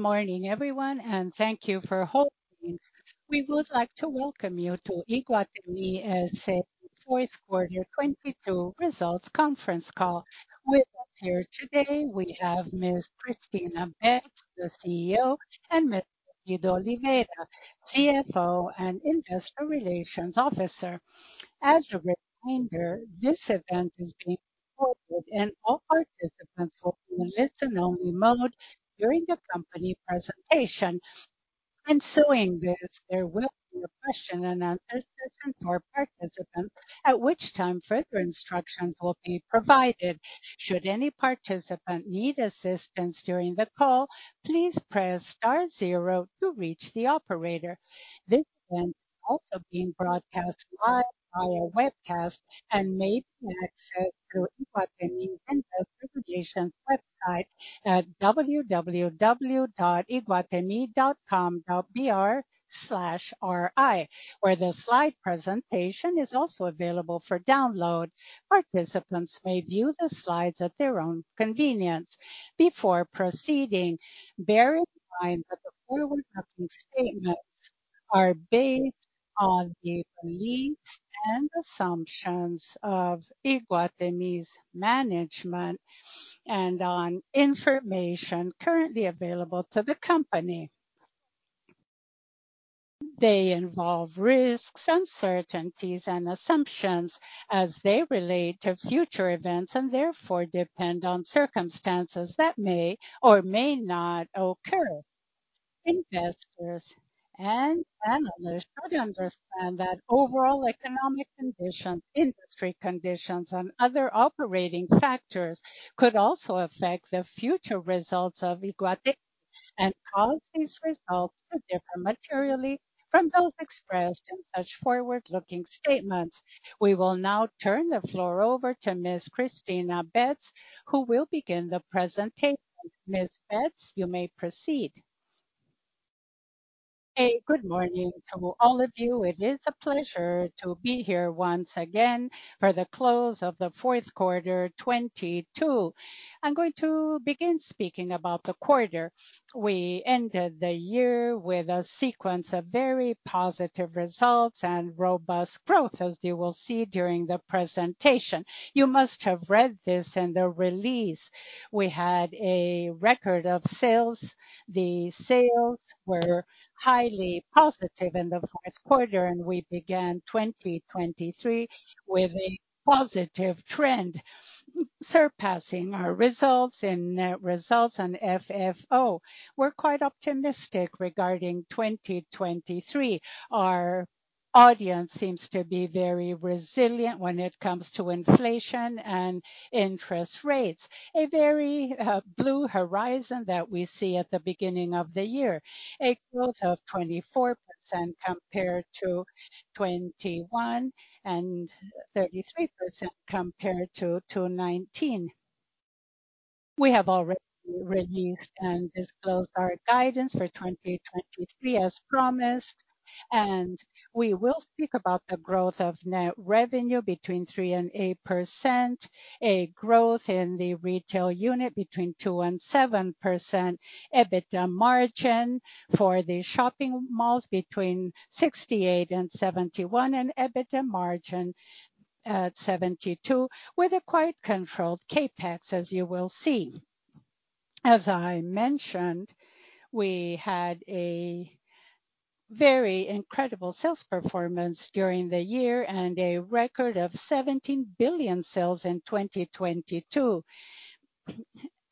Good morning everyone. Thank you for holding. We would like to welcome you to Iguatemi S.A. fourth quarter 2022 results conference call. With us here today we have Ms. Cristina Betz, the CEO, and Mr. Guido Oliveira, CFO and Investor Relations Officer. As a reminder, this event is being recorded and all participants will be in listen-only mode during the company presentation. Ensuing this, there will be a Q&A session for participants, at which time further instructions will be provided. Should any participant need assistance during the call, please press star zero to reach the operator. This event is also being broadcast live via webcast and may be accessed through Iguatemi investor relations website at www.iguatemi.com.br/ri, where the slide presentation is also available for download. Participants may view the slides at their own convenience. Before proceeding, bear in mind that the forward-looking statements are based on the beliefs and assumptions of Iguatemi's management and on information currently available to the company. They involve risks, uncertainties and assumptions as they relate to future events, and therefore depend on circumstances that may or may not occur. Investors and analysts should understand that overall economic conditions, industry conditions, and other operating factors could also affect the future results of Iguatemi and cause these results to differ materially from those expressed in such forward-looking statements. We will now turn the floor over to Ms. Cristina Betz, who will begin the presentation. Ms. Betz, you may proceed. Hey, good morning to all of you. It is a pleasure to be here once again for the close of the fourth quarter 2022. I'm going to begin speaking about the quarter. We ended the year with a sequence of very positive results and robust growth, as you will see during the presentation. You must have read this in the release. We had a record of sales. The sales were highly positive in the fourth quarter, and we began 2023 with a positive trend, surpassing our results in net results and FFO. We're quite optimistic regarding 2023. Our audience seems to be very resilient when it comes to inflation and interest rates. A very blue horizon that we see at the beginning of the year. A growth of 24% compared to 2021, and 33% compared to 2019. We have already released and disclosed our guidance for 2023 as promised. We will speak about the growth of net revenue between 3% - 8%, a growth in the retail unit between 2% - 7%, EBITDA margin for the shopping malls between 68% - 71%, and EBITDA margin at 72%, with a quite controlled CapEx, as you will see. As I mentioned, we had a very incredible sales performance during the year and a record of 17 billion sales in 2022.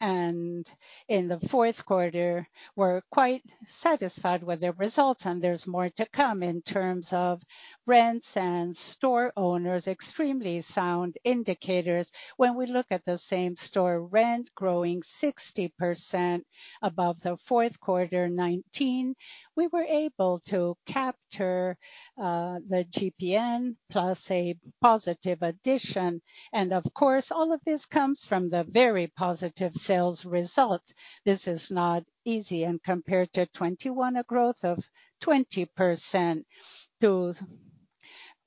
In the fourth quarter, we're quite satisfied with the results, and there's more to come in terms of rents and store owners. Extremely sound indicators. When we look at the same-store rent growing 60% above the fourth quarter 2019, we were able to capture the GPM plus a positive addition. Of course, all of this comes from the very positive sales result. This is not easy. Compared to 2021, a growth of 20%.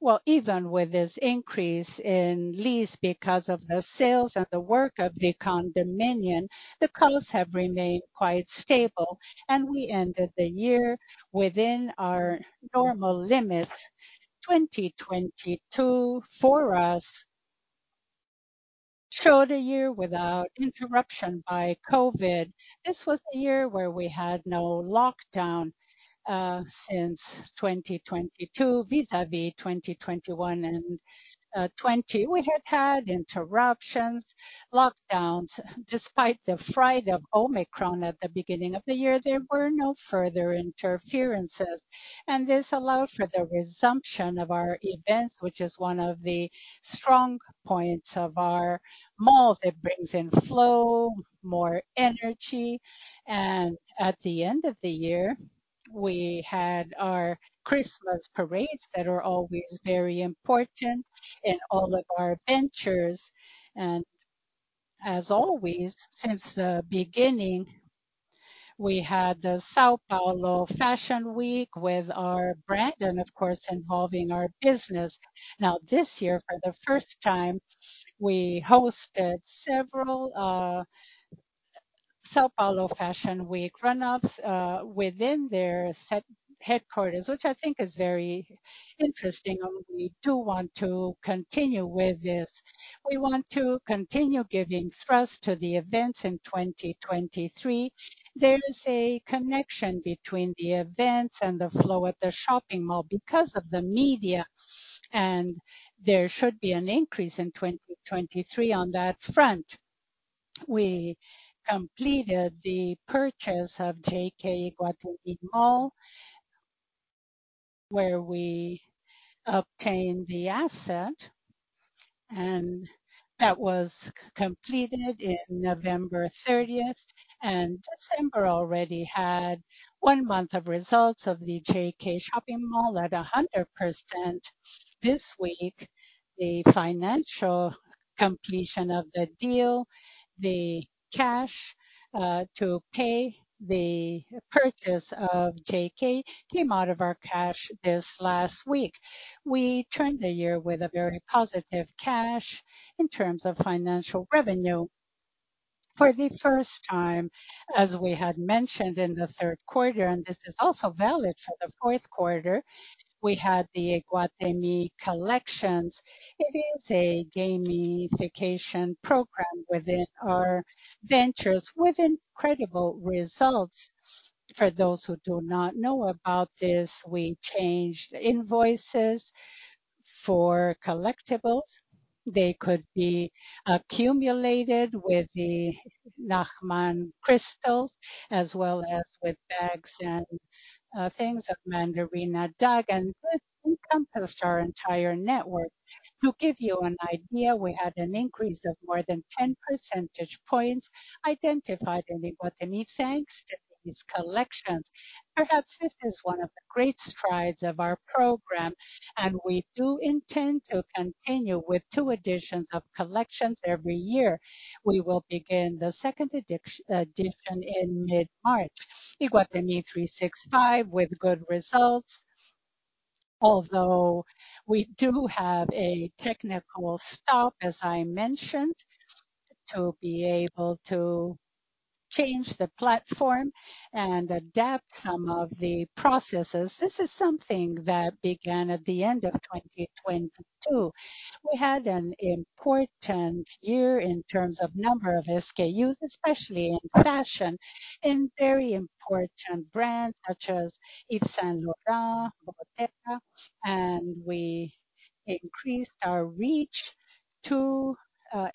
Well, even with this increase in lease because of the sales and the work of the condominium, the costs have remained quite stable, and we ended the year within our normal limits. 2022 for us showed a year without interruption by COVID. This was the year where we had no lockdown, since 2022, vis-à-vis 2021 and 2020. We had had interruptions, lockdowns. Despite the fright of Omicron at the beginning of the year, there were no further interferences, and this allowed for the resumption of our events, which is one of the strong points of our malls. It brings in flow, more energy. At the end of the year, we had our Christmas parades that are always very important in all of our ventures. As always since the beginning, we had the São Paulo Fashion Week with our brand and of course, involving our business. This year, for the first time, we hosted several São Paulo Fashion Week run-ups within their set headquarters, which I think is very interesting, and we do want to continue with this. We want to continue giving thrust to the events in 2023. There is a connection between the events and the flow at the shopping mall because of the media, and there should be an increase in 2023 on that front. We completed the purchase of JK Iguatemi, where we obtained the asset, and that was completed in November 30th. December already had 1 month of results of the JK Iguatemi at 100%. This week, the financial completion of the deal, the cash to pay the purchase of JK came out of our cash this last week. We turned the year with a very positive cash in terms of financial revenue. For the first time, as we had mentioned in the third quarter, and this is also valid for the fourth quarter, we had the Iguatemi Collections. It is a gamification program within our ventures with incredible results. For those who do not know about this, we changed invoices for collectibles. They could be accumulated with the Nachtmann crystals as well as with bags and things of Mandarina Duck, and this encompassed our entire network. To give you an idea, we had an increase of more than 10% points identified in Iguatemi, thanks to these Collections. Perhaps this is one of the great strides of our program, we do intend to continue with two editions of collections every year. We will begin the second edition in mid-March. Iguatemi 365 with good results. Although we do have a technical stop, as I mentioned, to be able to change the platform and adapt some of the processes. This is something that began at the end of 2022. We had an important year in terms of number of SKUs, especially in fashion, in very important brands such as Yves Saint Laurent, Bottega, and we increased our reach to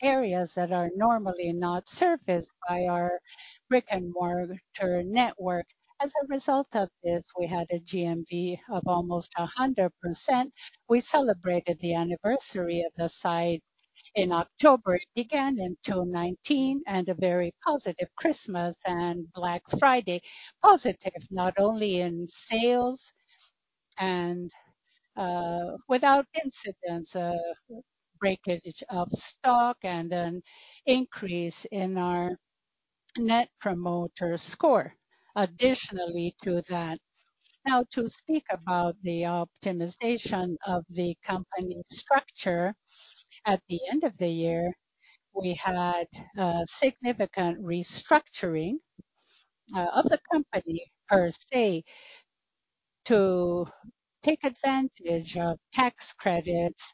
areas that are normally not surfaced by our brick-and-mortar network. As a result of this, we had a GMV of almost 100%. We celebrated the anniversary of the site in October. It began in 2019 and a very positive Christmas and Black Friday. Positive, not only in sales and without incidents of breakage of stock and an increase in our Net Promoter Score additionally to that. To speak about the optimization of the company structure. At the end of the year, we had a significant restructuring of the company per se, to take advantage of tax credits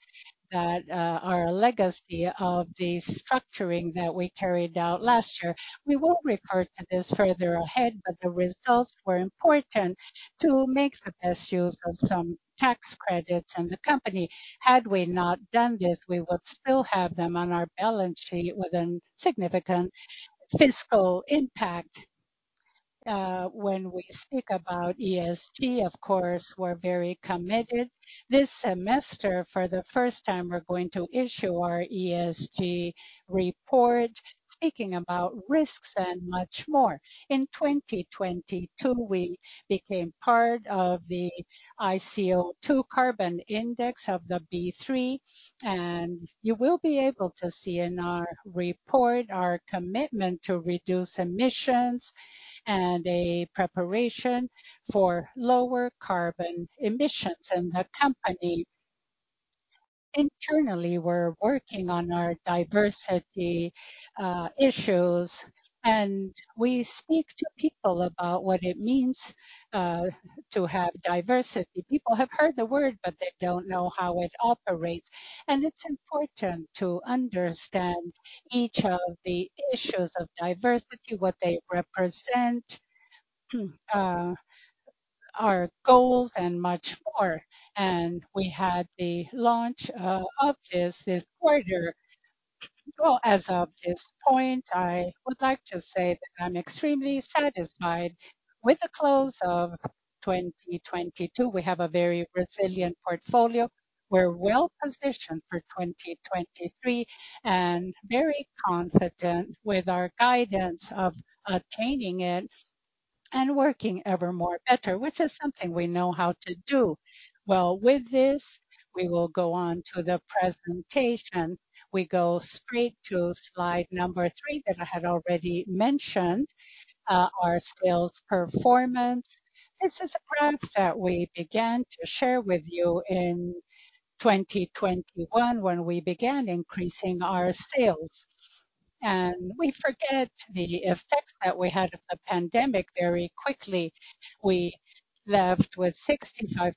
that are a legacy of the structuring that we carried out last year. We won't refer to this further ahead. The results were important to make the best use of some tax credits in the company. Had we not done this, we would still have them on our balance sheet with a significant fiscal impact. When we speak about ESG, of course, we're very committed. This semester, for the first time, we're going to issue our ESG report, speaking about risks and much more. In 2022, we became part of the ICO2 carbon index of the B3, and you will be able to see in our report our commitment to reduce emissions and a preparation for lower carbon emissions in the company. Internally, we're working on our diversity issues, and we speak to people about what it means to have diversity. People have heard the word, but they don't know how it operates. It's important to understand each of the issues of diversity, what they represent, our goals, and much more. We had the launch of this quarter. Well, as of this point, I would like to say that I'm extremely satisfied with the close of 2022. We have a very resilient portfolio. We're well-positioned for 2023 and very confident with our guidance of attaining it and working ever more better, which is something we know how to do. Well, with this, we will go on to the presentation. We go straight to slide number three that I had already mentioned, our sales performance. This is a graph that we began to share with you in 2021 when we began increasing our sales. We forget the effects that we had of the pandemic very quickly. We left with 65%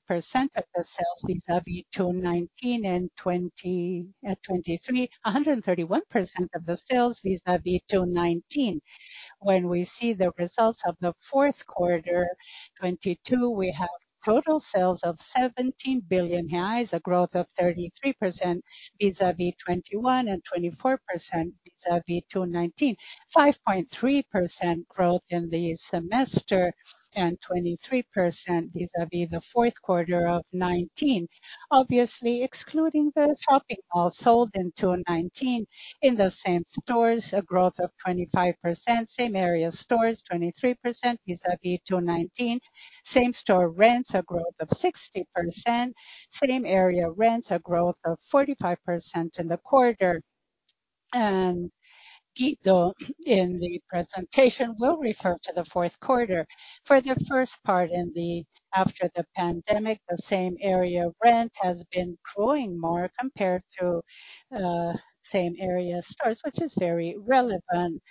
of the sales vis-a-vis 2019 and 2023. 131% of the sales vis-a-vis 2019. When we see the results of the fourth quarter 2022, we have total sales of 17 billion reais, a growth of 33% vis-a-vis 2021, and 24% vis-a-vis 2019. 5.3% growth in the semester, 23% vis-a-vis the fourth quarter of 2019. Obviously, excluding the shopping mall sold in 2019. In the same stores, a growth of 25%. Same area stores, 23% vis-a-vis 2019. Same store rents, a growth of 60%. Same area rents, a growth of 45% in the quarter. Guido, in the presentation, will refer to the fourth quarter. For the first part after the pandemic, the same area rent has been growing more compared to same area stores, which is very relevant.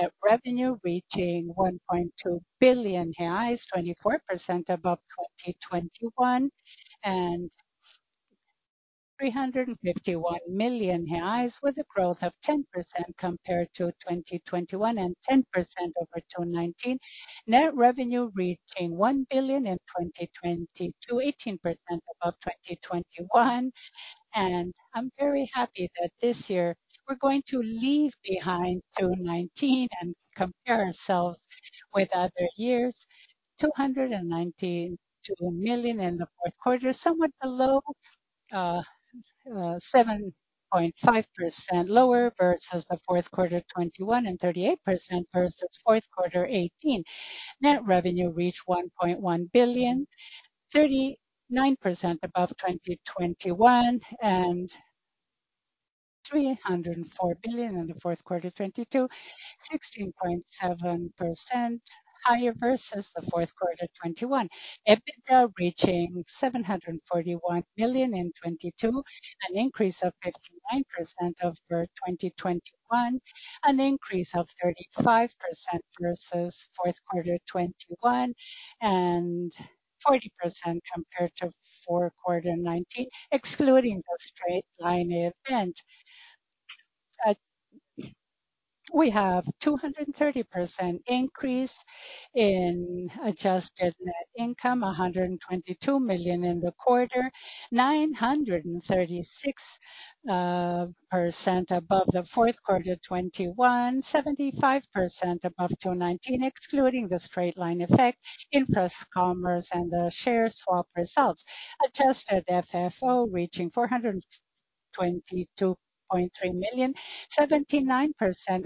Net revenue reaching 1.2 billion reais, 24% above 2021. 351 million reais, with a growth of 10% compared to 2021 and 10% over 2019. Net revenue reaching 1 billion in 2022, 18% above 2021. I'm very happy that this year we're going to leave behind 2019 and compare ourselves with other years. BRL 292 million in the fourth quarter, somewhat below, 7.5% lower versus the fourth quarter 2021 and 38% versus fourth quarter 2018. Net revenue reached 1.1 billion. 39% above 2021 and 304 billion in the fourth quarter of 2022. 16.7% higher versus the fourth quarter 2021. EBITDA reaching 741 million in 2022, an increase of 59% over 2021. An increase of 35% versus fourth quarter 2021 and 40% compared to fourth quarter 2019, excluding the straight-line event. We have 230% increase in adjusted net income, 122 million in the quarter. 936% above the 4Q 2021. 75% above 2019, excluding the straight-line effect in Infracommerce and the share swap results. Adjusted FFO reaching 422.3 million. 79%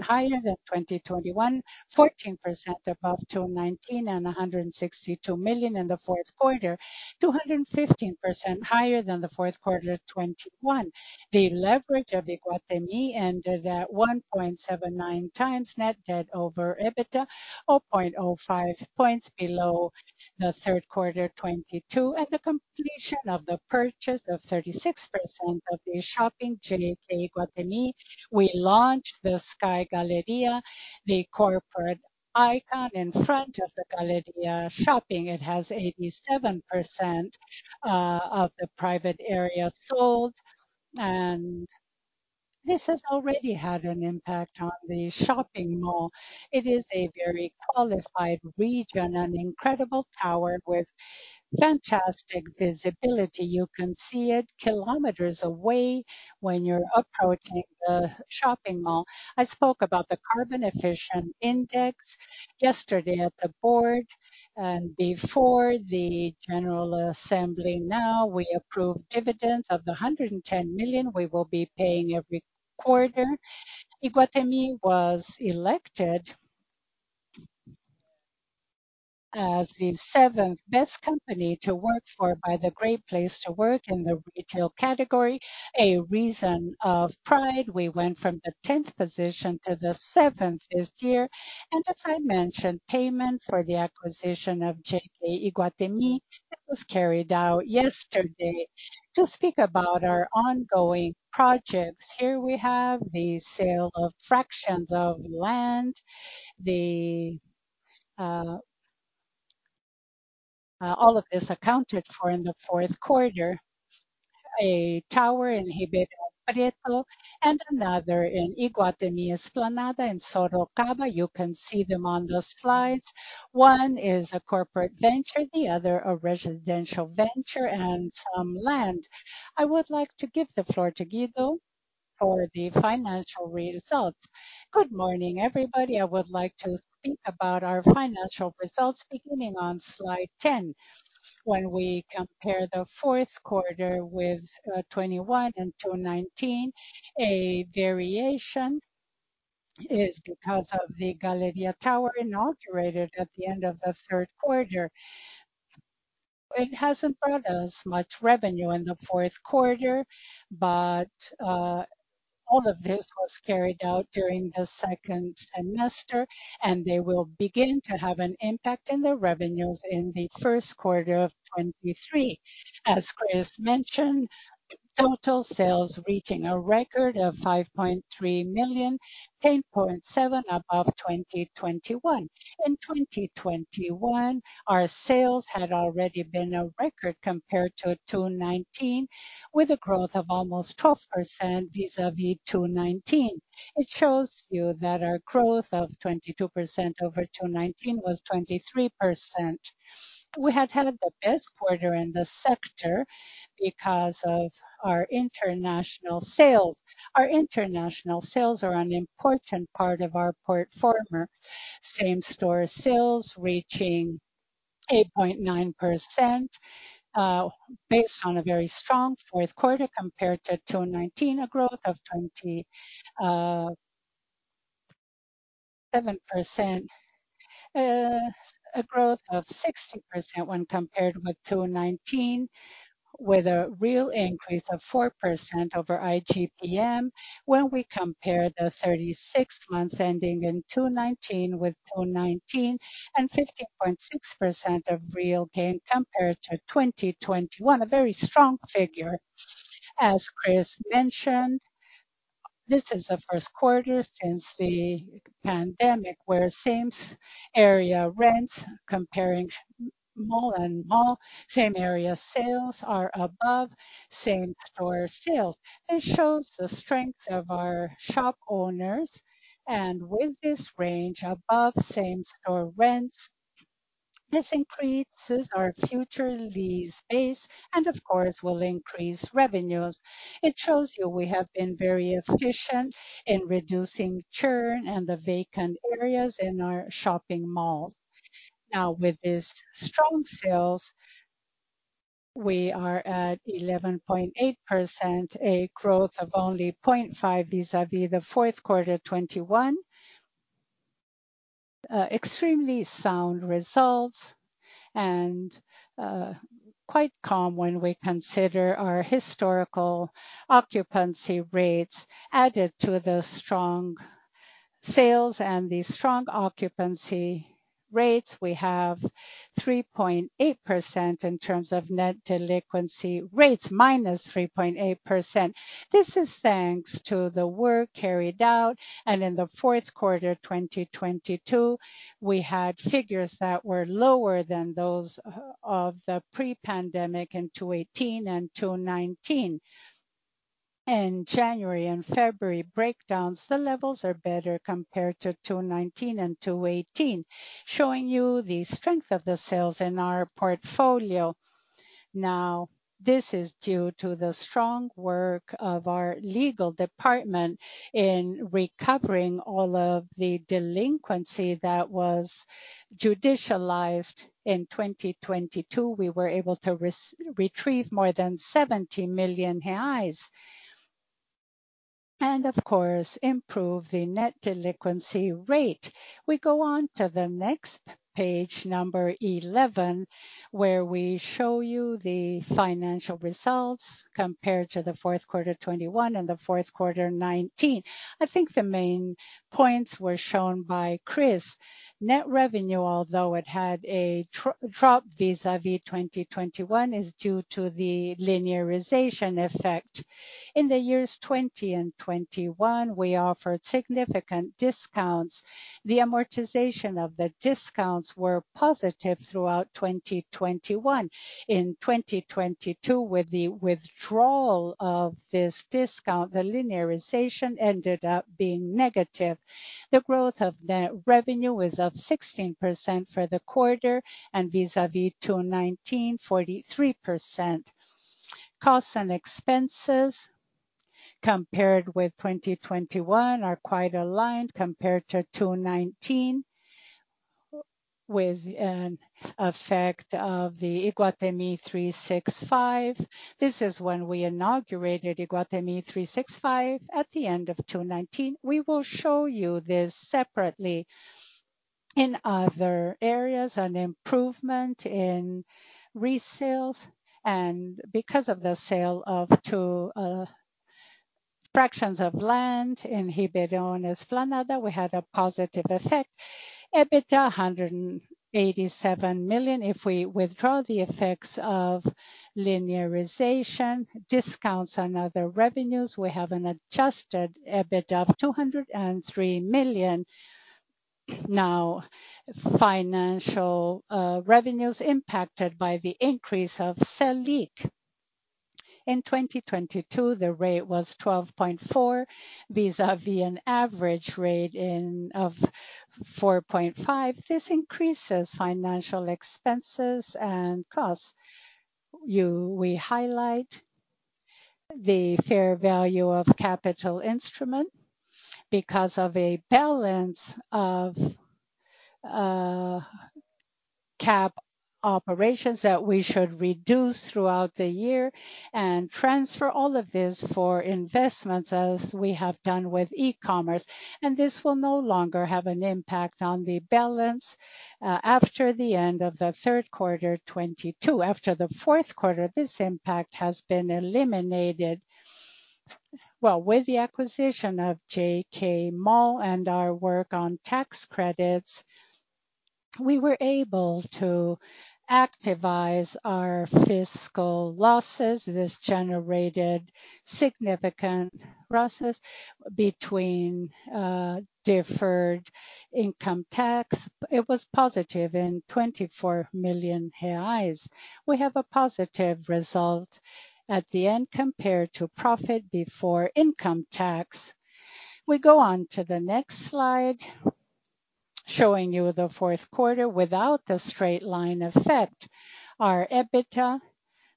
higher than 2021. 14% above 2019, 162 million in the 4Q. 215% higher than the 4Q 2021. The leverage of Iguatemi ended at 1.79 times net debt over EBITDA, 0.05 points below the 3Q 2022. At the completion of the purchase of 36% of the shopping JK Iguatemi, we launched the Sky Galleria, the corporate icon in front of the Galleria Shopping. It has 87% of the private area sold, this has already had an impact on the shopping mall. It is a very qualified region, an incredible tower with fantastic visibility. You can see it kilometers away when you're approaching the shopping mall. I spoke about the Carbon Efficient Index yesterday at the board and before the general assembly. We approve dividends of 110 million we will be paying every quarter. Iguatemi was elected as the seventh best company to work for by the Great Place to Work in the retail category. A reason of pride. We went from the 10th position to the 7th this year. As I mentioned, payment for the acquisition of JK Iguatemi was carried out yesterday. To speak about our ongoing projects, here we have the sale of fractions of land. All of this accounted for in the fourth quarter. A tower in Ribeirão Preto and another in Iguatemi Esplanada in Sorocaba. You can see them on the slides. One is a corporate venture, the other a residential venture and some land. I would like to give the floor to Guido for the financial results. Good morning, everybody. I would like to speak about our financial results beginning on slide 10. When we compare the fourth quarter with 2021 and 2019, a variation is because of the Galeria Tower inaugurated at the end of the third quarter. It hasn't brought us much revenue in the fourth quarter, all of this was carried out during the second semester, and they will begin to have an impact in the revenues in the first quarter of 2023. As Chris mentioned, total sales reaching a record of 5.3 million, 10.7% above 2021. In 2021, our sales had already been a record compared to 2019, with a growth of almost 12% vis-à-vis 2019. It shows you that our growth of 22% over 2019 was 23%. We had the best quarter in the sector because of our international sales. Our international sales are an important part of our portfolio. Same-store sales reaching 8.9%, based on a very strong fourth quarter compared to 2019, a growth of 27%. A growth of 60% when compared with 2019, with a real increase of 4% over IGPM when we compare the 36 months ending in 2019 with 2019 and 15.6% of real gain compared to 2021. A very strong figure. As Chris mentioned, this is the first quarter since the pandemic, where same area rents comparing mall and mall, same area sales are above same-store sales. This shows the strength of our shop owners. With this range above same-store rents, this increases our future lease base and of course will increase revenues. It shows you we have been very efficient in reducing churn and the vacant areas in our shopping malls. With these strong sales, we are at 11.8%, a growth of only 0.5% vis-à-vis the fourth quarter 2021. Extremely sound results, quite calm when we consider our historical occupancy rates added to the strong sales and the strong occupancy rates. We have 3.8% in terms of net delinquency rates, -3.8%. This is thanks to the work carried out, in the fourth quarter 2022, we had figures that were lower than those of the pre-pandemic in 2018 and 2019. In January and February breakdowns, the levels are better compared to 2019 and 2018, showing you the strength of the sales in our portfolio. This is due to the strong work of our legal department in recovering all of the delinquency that was judicialized in 2022. We were able to retrieve more than 70 million reais and of course, improve the net delinquency rate. We go on to the next page number 11, where we show you the financial results compared to the fourth quarter 2021 and the fourth quarter 2019. I think the main points were shown by Chris. Net revenue, although it had a drop vis-à-vis 2021, is due to the linearization effect. In the years 20 and 21, we offered significant discounts. The amortization of the discounts were positive throughout 2021. In 2022, with the withdrawal of this discount, the linearization ended up being negative. The growth of net revenue is up 16% for the quarter and vis-à-vis 2019, 43%. Costs and expenses compared with 2021 are quite aligned compared to 2019, with an effect of the Iguatemi 365. This is when we inaugurated Iguatemi 365 at the end of 2019. We will show you this separately. In other areas, an improvement in resales and because of the sale of two fractions of land in Iguatemi Esplanada, we had a positive effect. EBITDA, 187 million. If we withdraw the effects of linearization, discounts on other revenues, we have an Adjusted EBITDA of 203 million. Financial revenues impacted by the increase of Selic. In 2022, the rate was 12.4, vis-à-vis an average rate of 4.5. This increases financial expenses and costs. We highlight the fair value of capital instrument because of a balance of cap operations that we should reduce throughout the year and transfer all of this for investments as we have done with e-commerce. This will no longer have an impact on the balance after the end of the third quarter 2022. After the fourth quarter, this impact has been eliminated. Well, with the acquisition of JK Mall and our work on tax credits, we were able to activize our fiscal losses. This generated significant losses between deferred income tax. It was positive in 24 million reais. We have a positive result at the end compared to profit before income tax. We go on to the next slide, showing you the fourth quarter without the straight-line effect. Our EBITDA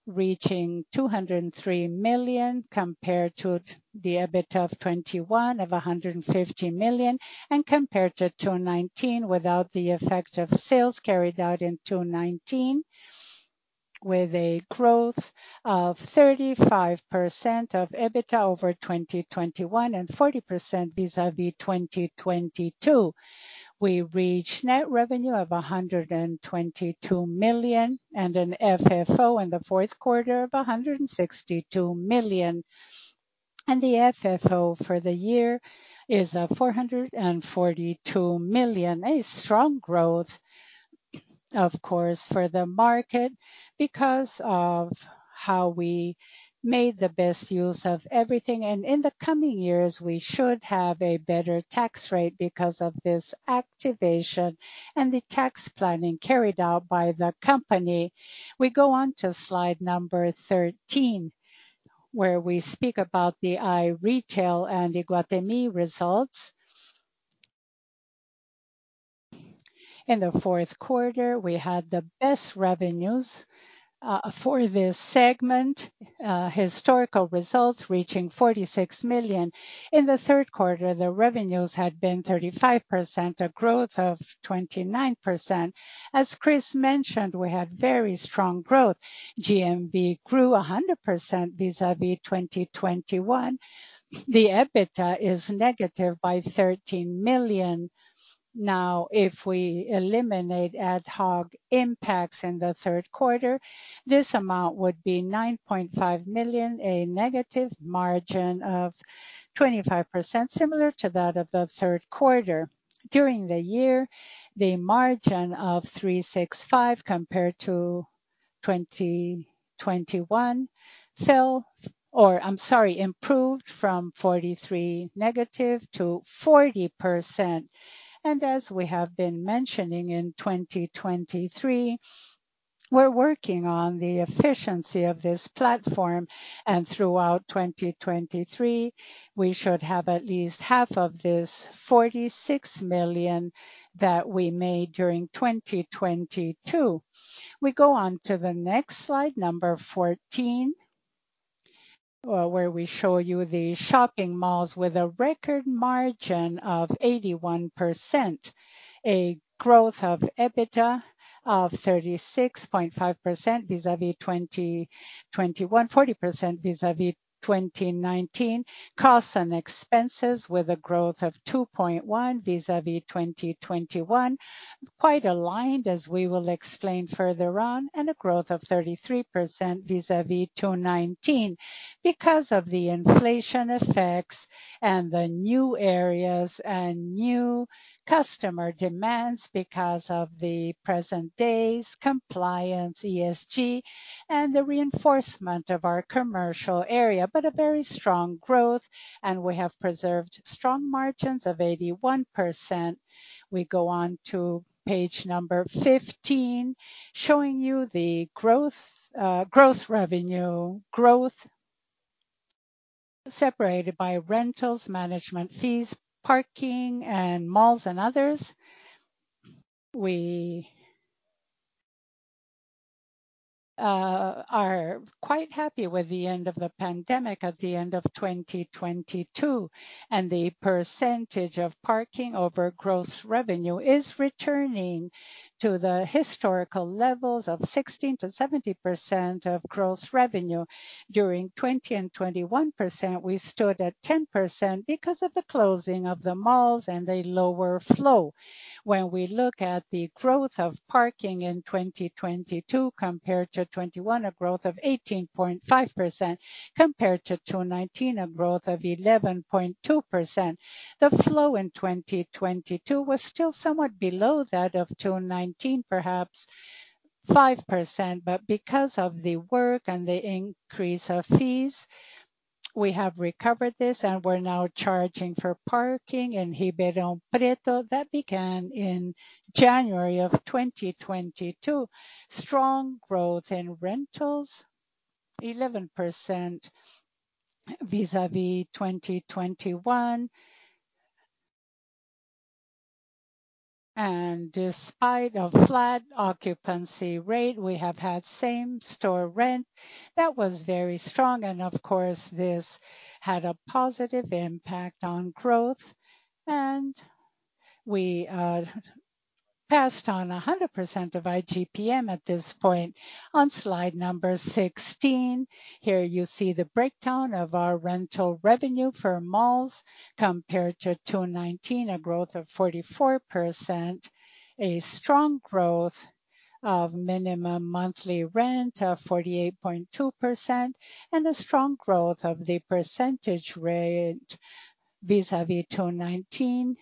reaching 203 million compared to the EBITDA of 2021 of 150 million, and compared to 2019 without the effect of sales carried out in 2019, with a growth of 35% of EBITDA over 2021 and 40% vis-a-vis 2022. We reach net revenue of 122 million and an FFO in the fourth quarter of 162 million. The FFO for the year is 442 million. A strong growth, of course, for the market because of how we made the best use of everything. In the coming years, we should have a better tax rate because of this activation and the tax planning carried out by the company. We go on to slide number 13, where we speak about the iRetail and Iguatemi results. In the fourth quarter, we had the best revenues for this segment. Historical results reaching 46 million. In the third quarter, the revenues had been 35%, a growth of 29%. As Chris mentioned, we had very strong growth. GMV grew 100% vis-a-vis 2021. The Adjusted EBITDA is negative by 13 million. Now, if we eliminate ad hoc impacts in the third quarter, this amount would be 9.5 million, a negative margin of 25%, similar to that of the third quarter. During the year, the margin of Iguatemi 365 compared to 2021 improved from -43% to 40%. As we have been mentioning in 2023, we're working on the efficiency of this platform. Throughout 2023, we should have at least half of this 46 million that we made during 2022. We go on to the next slide, number 14, where we show you the shopping malls with a record margin of 81%. A growth of Adjusted EBITDA of 36.5% vis-a-vis 2021, 40% vis-a-vis 2019. Costs and expenses with a growth of 2.1% vis-a-vis 2021. Quite aligned as we will explain further on, a growth of 33% vis-a-vis 2019. Because of the inflation effects and the new areas and new customer demands because of the present day's compliance, ESG, and the reinforcement of our commercial area. A very strong growth, and we have preserved strong margins of 81%. We go on to page number 15, showing you the growth, gross revenue growth separated by rentals, management fees, parking, and malls and others. We are quite happy with the end of the pandemic at the end of 2022, and the percentage of parking over gross revenue is returning to the historical levels of 16%-70% of gross revenue. During 20% and 21% percent, we stood at 10% because of the closing of the malls and a lower flow. When we look at the growth of parking in 2022 compared to 2021, a growth of 18.5%. Compared to 2019, a growth of 11.2%. The flow in 2022 was still somewhat below that of 2019, perhaps 5%. Because of the work and the increase of fees, we have recovered this, and we're now charging for parking in Ribeirão Preto. That began in January of 2022. Strong growth in rentals, 11% vis-a-vis 2021. Despite a flat occupancy rate, we have had same-store rent that was very strong. Of course, this had a positive impact on growth. We passed on 100% of IGPM at this point. On slide number 16, here you see the breakdown of our rental revenue for malls compared to 2019, a growth of 44%. A strong growth of minimum monthly rent of 48.2%, and a strong growth of the percentage rate vis-à-vis 2019.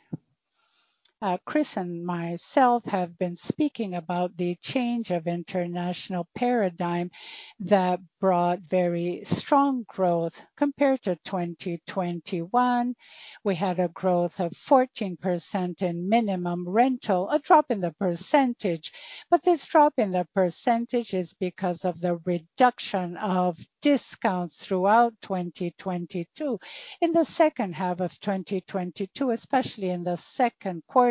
Chris and myself have been speaking about the change of international paradigm that brought very strong growth compared to 2021. We had a growth of 14% in minimum rental, a drop in the percentage. This drop in the percentage is because of the reduction of discounts throughout 2022. In the second half of 2022, especially in the second quarter,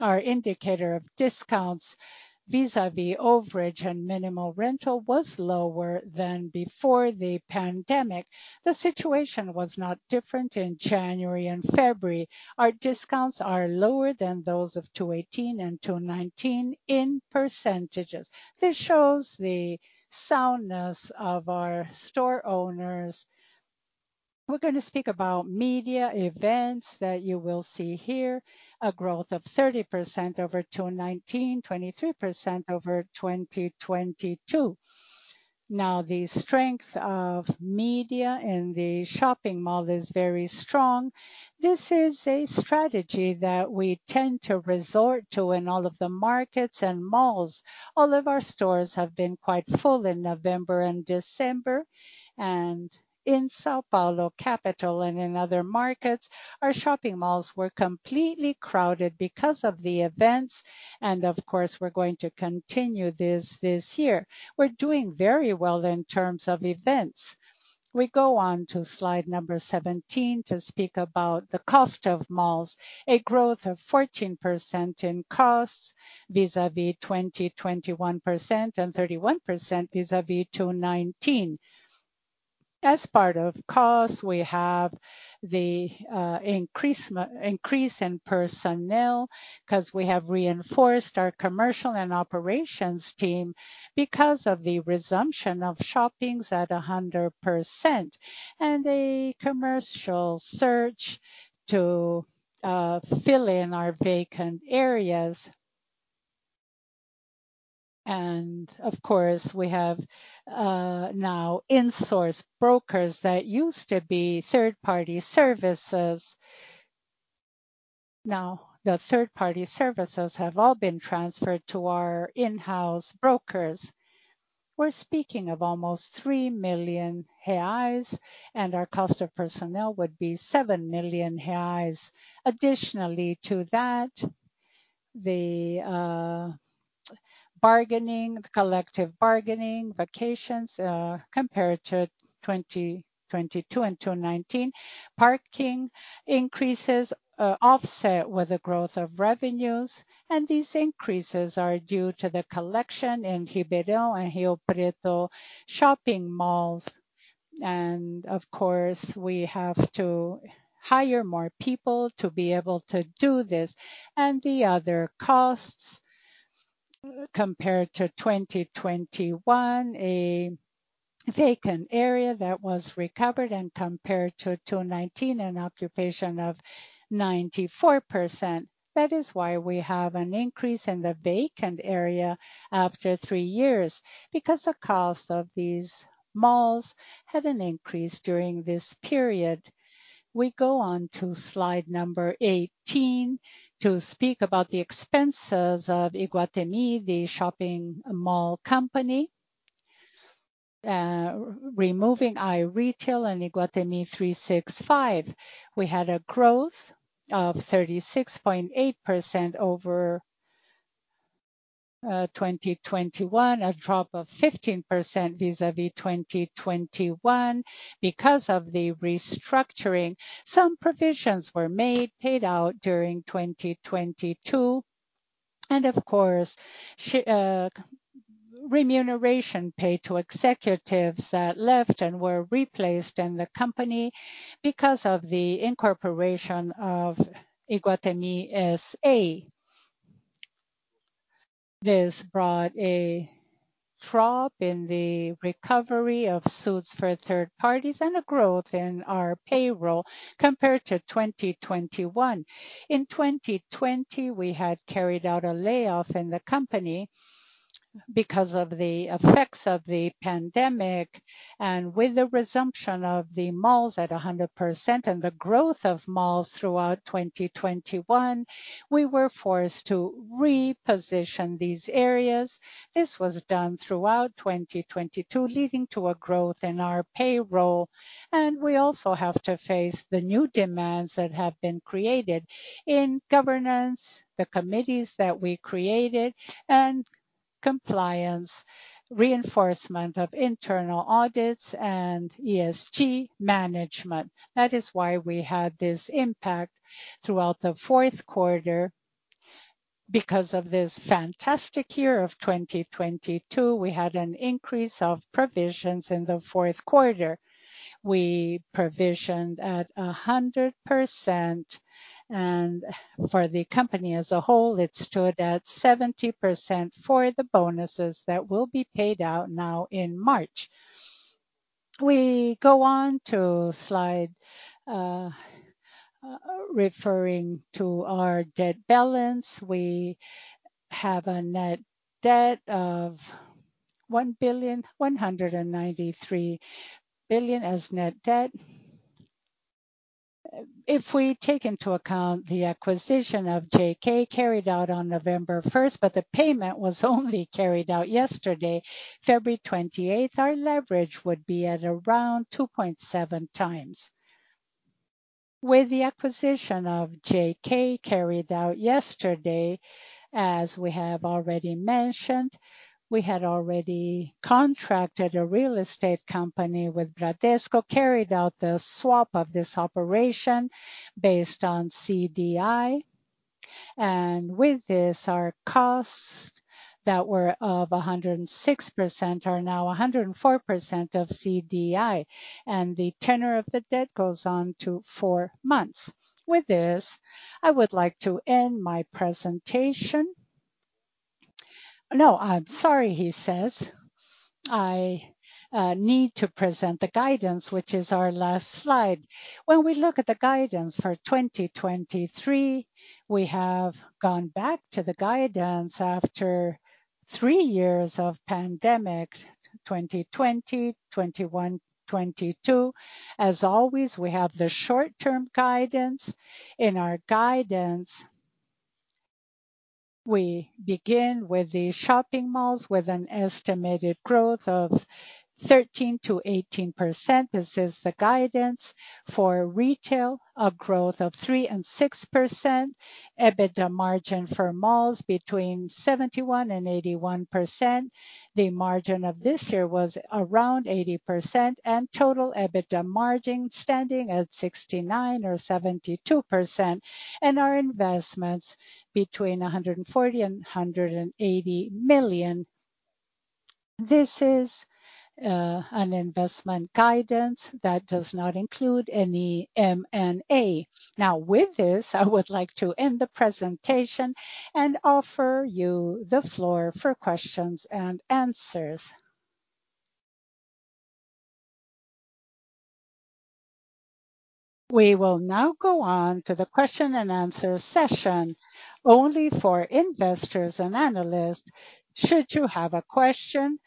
our indicator of discounts vis-à-vis overage and minimal rental was lower than before the pandemic. The situation was not different in January and February. Our discounts are lower than those of 2018 and 2019 in percent. This shows the soundness of our store owners. We're gonna speak about media events that you will see here. A growth of 30% over 2019, 23% over 2022. The strength of media in the shopping mall is very strong. This is a strategy that we tend to resort to in all of the markets and malls. All of our stores have been quite full in November and December. In São Paulo capital and in other markets, our shopping malls were completely crowded because of the events. Of course, we're going to continue this year. We're doing very well in terms of events. We go on to slide number 17 to speak about the cost of malls. A growth of 14% in costs vis-à-vis 2021% and 31% vis-à-vis 2019. As part of costs, we have the increase in personnel, 'cause we have reinforced our commercial and operations team because of the resumption of shoppings at 100%, and a commercial search to fill in our vacant areas. Of course, we have now insourced brokers that used to be third-party services. Now, the third-party services have all been transferred to our in-house brokers. We're speaking of almost 3 million reais, and our cost of personnel would be 7 million reais. Additionally to that, the collective bargaining, vacations, compared to 2022 and 2019. Parking increases are offset with the growth of revenues, and these increases are due to the collection in Ribeirão and Rio Preto shopping malls. Of course, we have to hire more people to be able to do this. The other costs compared to 2021, a vacant area that was recovered and compared to 2019, an occupation of 94%. That is why we have an increase in the vacant area after three years, because the cost of these malls had an increase during this period. We go on to slide number 18 to speak about the expenses of Iguatemi, the shopping mall company. Removing iRetail and Iguatemi 365. We had a growth of 36.8% over 2021. A drop of 15% vis-à-vis 2021. Because of the restructuring, some provisions were paid out during 2022. Of course, remuneration paid to executives that left and were replaced in the company because of the incorporation of Iguatemi S.A. This brought a drop in the recovery of suits for third parties and a growth in our payroll compared to 2021. In 2020, we had carried out a layoff in the company because of the effects of the pandemic. With the resumption of the malls at 100% and the growth of malls throughout 2021, we were forced to reposition these areas. This was done throughout 2022, leading to a growth in our payroll. We also have to face the new demands that have been created in governance, the committees that we created, and compliance, reinforcement of internal audits, and ESG management. That is why we had this impact throughout the fourth quarter. Because of this fantastic year of 2022, we had an increase of provisions in the fourth quarter. We provisioned at 100%, and for the company as a whole, it stood at 70% for the bonuses that will be paid out now in March. We go on to slide, referring to our debt balance. We have a net debt of 1 billion, 193 billion as net debt. If we take into account the acquisition of JK carried out on November 1st, but the payment was only carried out yesterday, February 28th, our leverage would be at around 2.7 times. With the acquisition of JK carried out yesterday, as we have already mentioned, we had already contracted a real estate company with Bradesco, carried out the swap of this operation based on CDI. With this, our costs that were of 106% are now 104% of CDI, and the tenor of the debt goes on to four months. With this, I would like to end my presentation. No, I'm sorry, he says. I need to present the guidance, which is our last slide. When we look at the guidance for 2023, we have gone back to the guidance after three years of pandemic. 2020, 2021, 2022. As always, we have the short-term guidance. In our guidance, we begin with the shopping malls with an estimated growth of 13%-18%. This is the guidance for retail of growth of 3% - 6%. EBITDA margin for malls between 71% - 81%. The margin of this year was around 80% and total EBITDA margin standing at 69% or 72%. Our investments between 140 million and 180 million. This is an investment guidance that does not include any M&A. With this, I would like to end the presentation and offer you the floor for questions and answers. We will now go on to the Q&A only for investors and analysts. Should you have a question,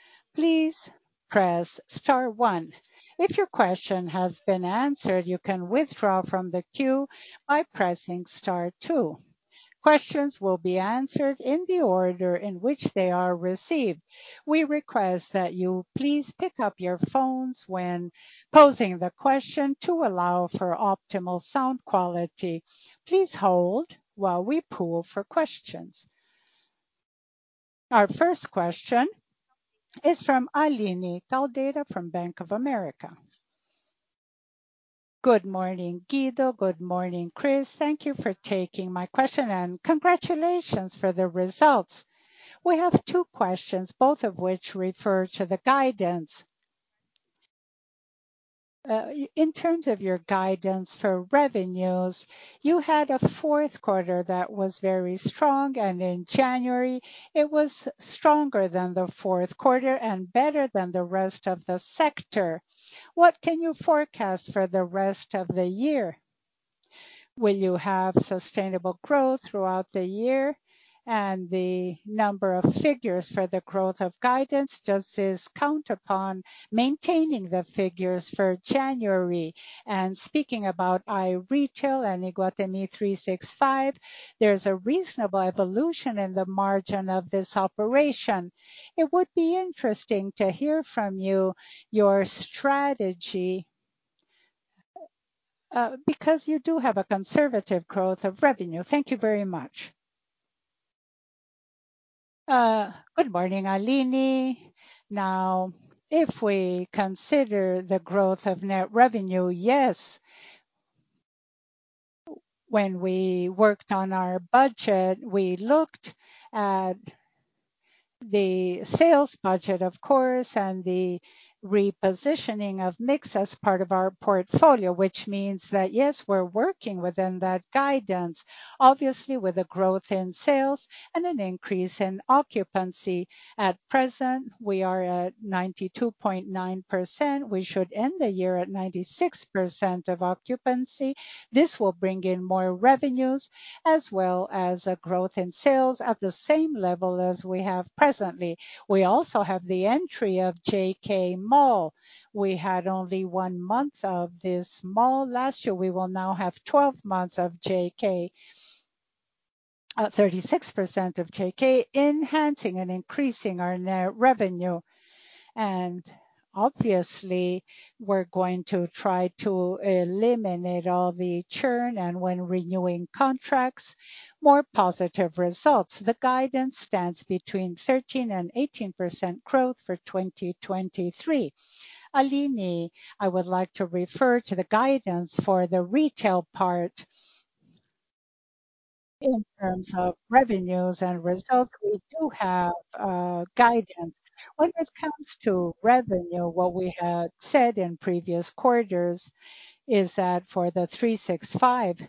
please press star one. If your question has been answered, you can withdraw from the queue by pressing star two. Questions will be answered in the order in which they are received. We request that you please pick up your phones when posing the question to allow for optimal sound quality. Please hold while we pool for questions. Our first question is from Aline Caldeira from Bank of America. Good morning, Guido. Good morning, Chris. Thank you for taking my question. Congratulations for the results. We have two questions, both of which refer to the guidance. In terms of your guidance for revenues, you had a fourth quarter that was very strong, and in January it was stronger than the fourth quarter and better than the rest of the sector. What can you forecast for the rest of the year? Will you have sustainable growth throughout the year? The number of figures for the growth of guidance, does this count upon maintaining the figures for January? Speaking about iRetail and Iguatemi 365, there's a reasonable evolution in the margin of this operation. It would be interesting to hear from you your strategy, because you do have a conservative growth of revenue. Thank you very much. Good morning, Aline. If we consider the growth of net revenue, yes. When we worked on our budget, we looked at the sales budget, of course, and the repositioning of mix as part of our portfolio, which means that, yes, we're working within that guidance, obviously with a growth in sales and an increase in occupancy. At present, we are at 92.9%. We should end the year at 96% of occupancy. This will bring in more revenues as well as a growth in sales at the same level as we have presently. We also have the entry of JK Mall. We had only one month of this mall last year. We will now have 12 months of JK. 36% of JK enhancing and increasing our net revenue. Obviously, we're going to try to eliminate all the churn and when renewing contracts, more positive results. The guidance stands between 13% and 18% growth for 2023. Aline, I would like to refer to the guidance for the retail part. In terms of revenues and results, we do have guidance. When it comes to revenue, what we had said in previous quarters is that for the 365,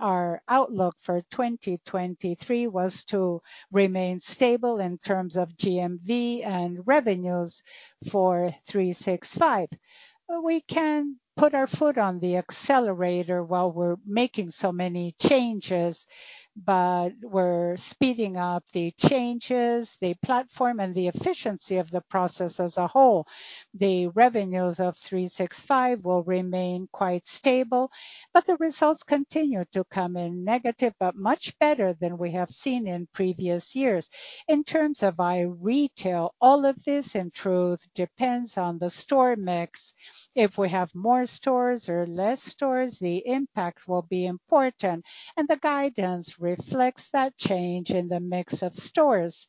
our outlook for 2023 was to remain stable in terms of GMV and revenues for 365. we can put our foot on the accelerator while we're making so many changes, but we're speeding up the changes, the platform, and the efficiency of the process as a whole. The revenues of 365 will remain quite stable, but the results continue to come in negative, but much better than we have seen in previous years. In terms of iRetail, all of this, in truth, depends on the store mix. If we have more stores or less stores, the impact will be important, and the guidance reflects that change in the mix of stores.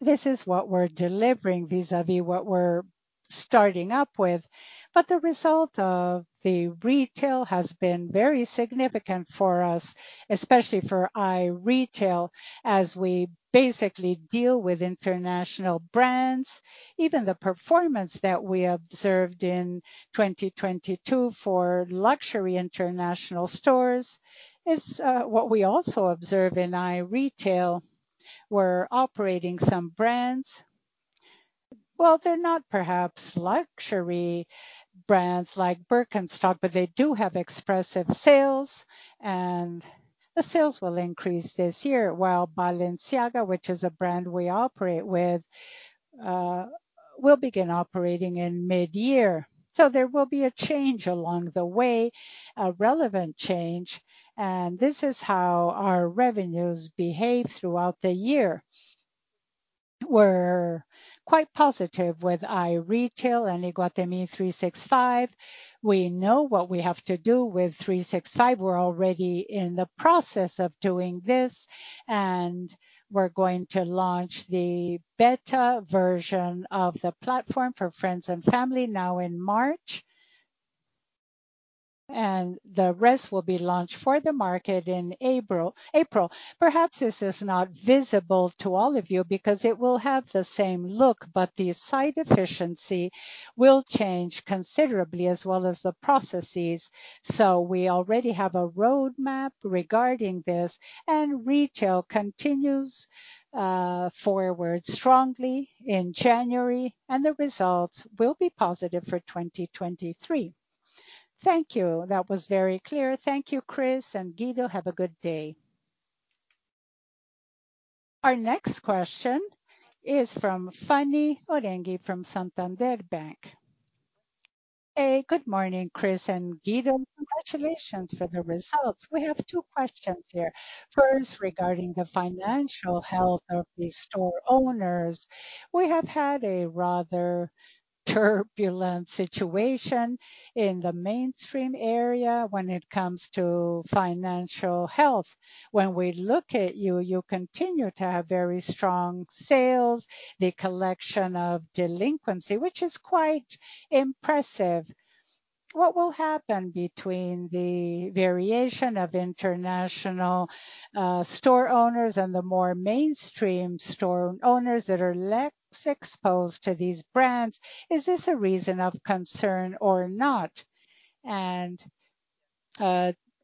This is what we're delivering vis-a-vis what we're starting up with, but the result of the retail has been very significant for us, especially for iRetail, as we basically deal with international brands. Even the performance that we observed in 2022 for luxury international stores is what we also observe in iRetail. We're operating some brands. Well, they're not perhaps luxury brands like Birkenstock, but they do have expressive sales, and the sales will increase this year, while Balenciaga, which is a brand we operate with, will begin operating in mid-year. There will be a change along the way, a relevant change, and this is how our revenues behave throughout the year. We're quite positive with iRetail and Iguatemi 365. We know what we have to do with 365. We're already in the process of doing this. We're going to launch the beta version of the platform for friends and family now in March, and the rest will be launched for the market in April. Perhaps this is not visible to all of you because it will have the same look, but the site efficiency will change considerably as well as the processes. We already have a roadmap regarding this and iRetail continues forward strongly in January, and the results will be positive for 2023. Thank you. That was very clear. Thank you, Chris and Guido. Have a good day. Our next question is from Fanny Orenga from Santander Bank. Hey, good morning, Chris and Guido. Congratulations for the results. We have two questions here. First, regarding the financial health of the store owners. We have had a rather turbulent situation in the mainstream area when it comes to financial health. When we look at you continue to have very strong sales, the collection of delinquency, which is quite impressive. What will happen between the variation of international store owners and the more mainstream store owners that are less exposed to these brands? Is this a reason of concern or not?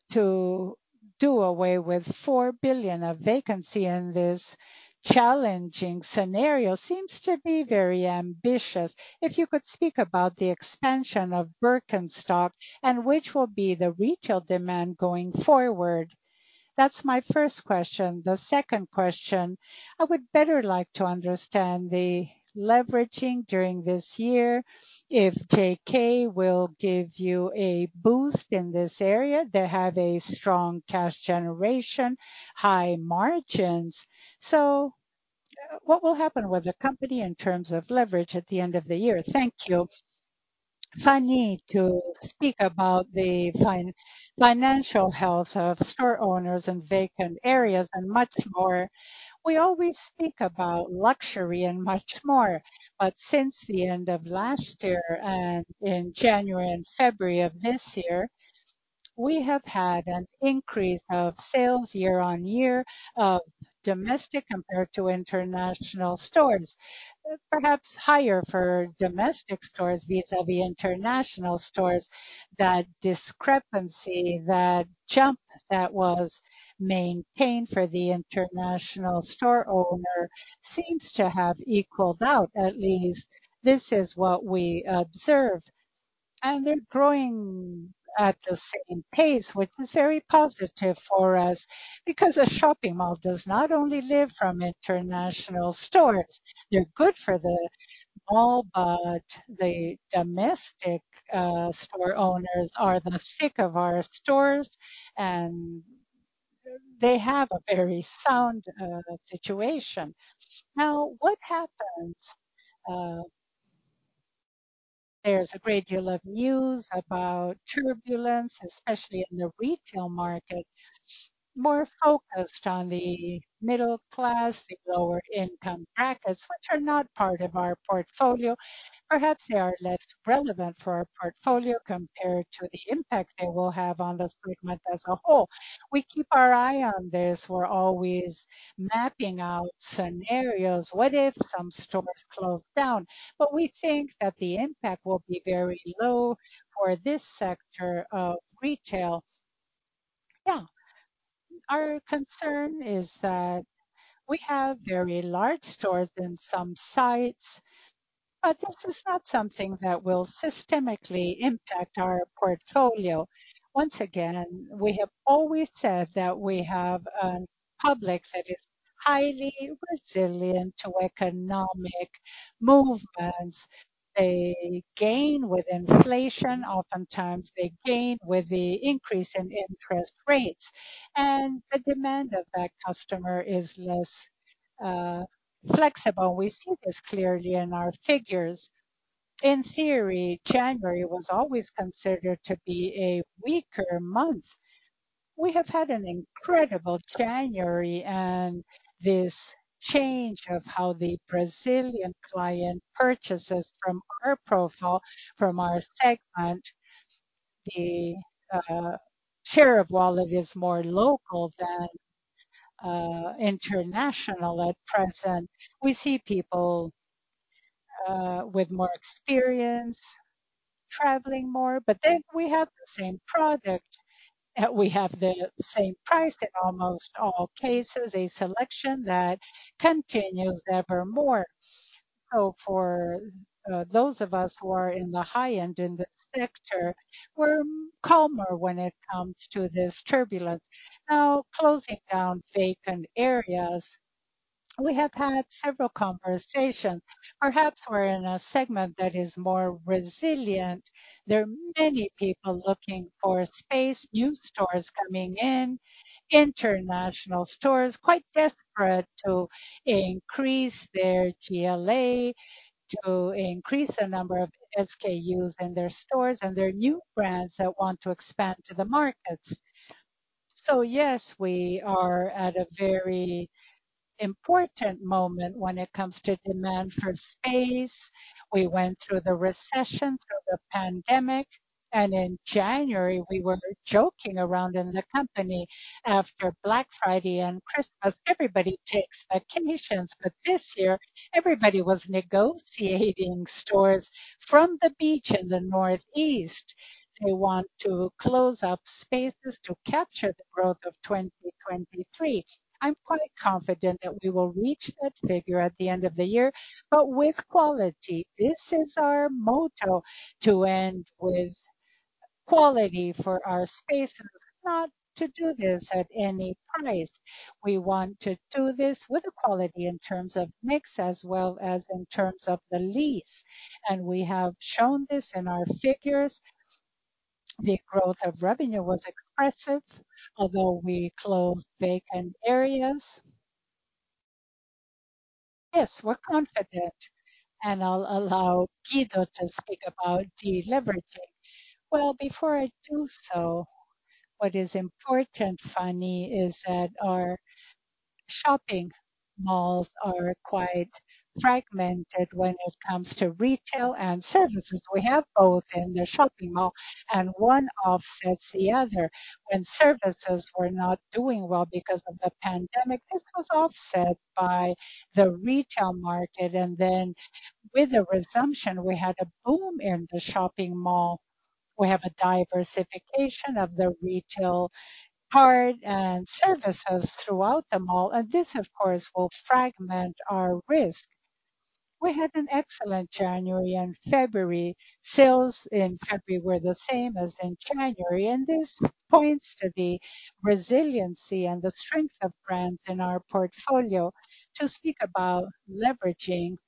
To do away with 4 billion of vacancy in this challenging scenario seems to be very ambitious. If you could speak about the expansion of Birkenstock and which will be the retail demand going forward. That's my first question. The second question, I would better like to understand the leveraging during this year, if JK will give you a boost in this area. They have a strong cash generation, high margins. What will happen with the company in terms of leverage at the end of the year? Thank you. Fanny, to speak about the financial health of store owners and vacant areas and much more, we always speak about luxury and much more. Since the end of last year and in January and February of this year, we have had an increase of sales year-over-year of domestic compared to international stores, perhaps higher for domestic stores vis-a-vis international stores. That discrepancy, that jump that was maintained for the international store owner seems to have equaled out. At least this is what we observed. They're growing at the same pace, which is very positive for us because a shopping mall does not only live from international stores. They're good for the mall, but the domestic store owners are the thick of our stores, and they have a very sound situation. What happens? There's a great deal of news about turbulence, especially in the retail market, more focused on the middle class, the lower income brackets, which are not part of our portfolio. Perhaps they are less relevant for our portfolio compared to the impact they will have on the segment as a whole. We keep our eye on this. We're always mapping out scenarios. What if some stores close down? We think that the impact will be very low for this sector of retail. Our concern is that we have very large stores in some sites, but this is not something that will systemically impact our portfolio. We have always said that we have a public that is highly resilient to economic movements. They gain with inflation. Oftentimes they gain with the increase in interest rates, the demand of that customer is less flexible. We see this clearly in our figures. In theory, January was always considered to be a weaker month. We have had an incredible January this change of how the Brazilian client purchases from our profile, from our segment. The share of wallet is more local than international at present. We see people with more experience traveling more, we have the same product. We have the same price in almost all cases, a selection that continues evermore. For those of us who are in the high end in this sector, we're calmer when it comes to this turbulence. Closing down vacant areas, we have had several conversations. Perhaps we're in a segment that is more resilient. There are many people looking for space, new stores coming in, international stores quite desperate to increase their GLA, to increase the number of SKUs in their stores and their new brands that want to expand to the markets. Yes, we are at a very important moment when it comes to demand for space. We went through the recession, through the pandemic. In January we were joking around in the company after Black Friday and Christmas, everybody takes vacations. This year everybody was negotiating stores from the beach in the Northeast. They want to close up spaces to capture the growth of 2023. I'm quite confident that we will reach that figure at the end of the year, but with quality. This is our motto to end with quality for our spaces, not to do this at any price. We want to do this with quality in terms of mix as well as in terms of the lease. We have shown this in our figures. The growth of revenue was expressive, although we closed vacant areas. Yes, we're confident, and I'll allow Guido to speak about deleveraging. Well, before I do so, what is important, Fanny, is that our shopping malls are quite fragmented when it comes to retail and services. We have both in the shopping mall and one offsets the other. When services were not doing well because of the pandemic, this was offset by the retail market. With the resumption, we had a boom in the shopping mall. We have a diversification of the retail part and services throughout the mall, and this, of course, will fragment our risk. We had an excellent January and February. Sales in February were the same as in January, and this points to the resiliency and the strength of brands in our portfolio. To speak about leveraging,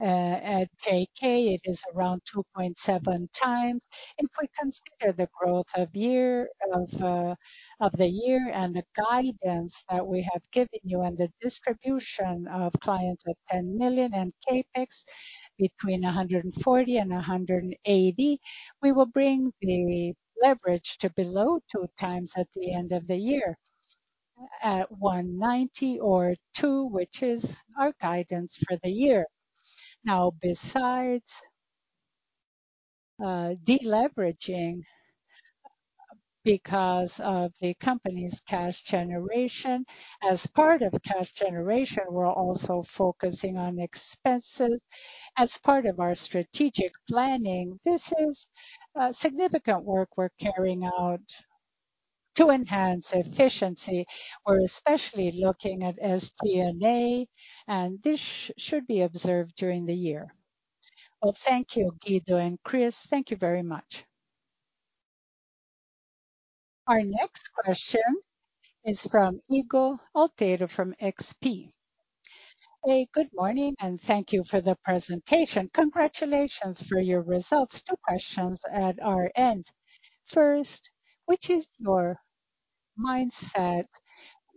at JK, it is around 2.7x. If we consider the growth of the year and the guidance that we have given you and the distribution of clients at 10 million and CapEx between 140 and 180, we will bring the leverage to below 2x at the end of the year at 1.90 or 2.0, which is our guidance for the year. Besides, deleveraging because of the company's cash generation, as part of cash generation, we're also focusing on expenses as part of our strategic planning. This is significant work we're carrying out to enhance efficiency. We're especially looking at S&A, this should be observed during the year. Thank you, Guido and Chris. Thank you very much. Our next question is from Ygor Altero from XP. Good morning, thank you for the presentation. Congratulations for your results. Two questions at our end. First, which is your mindset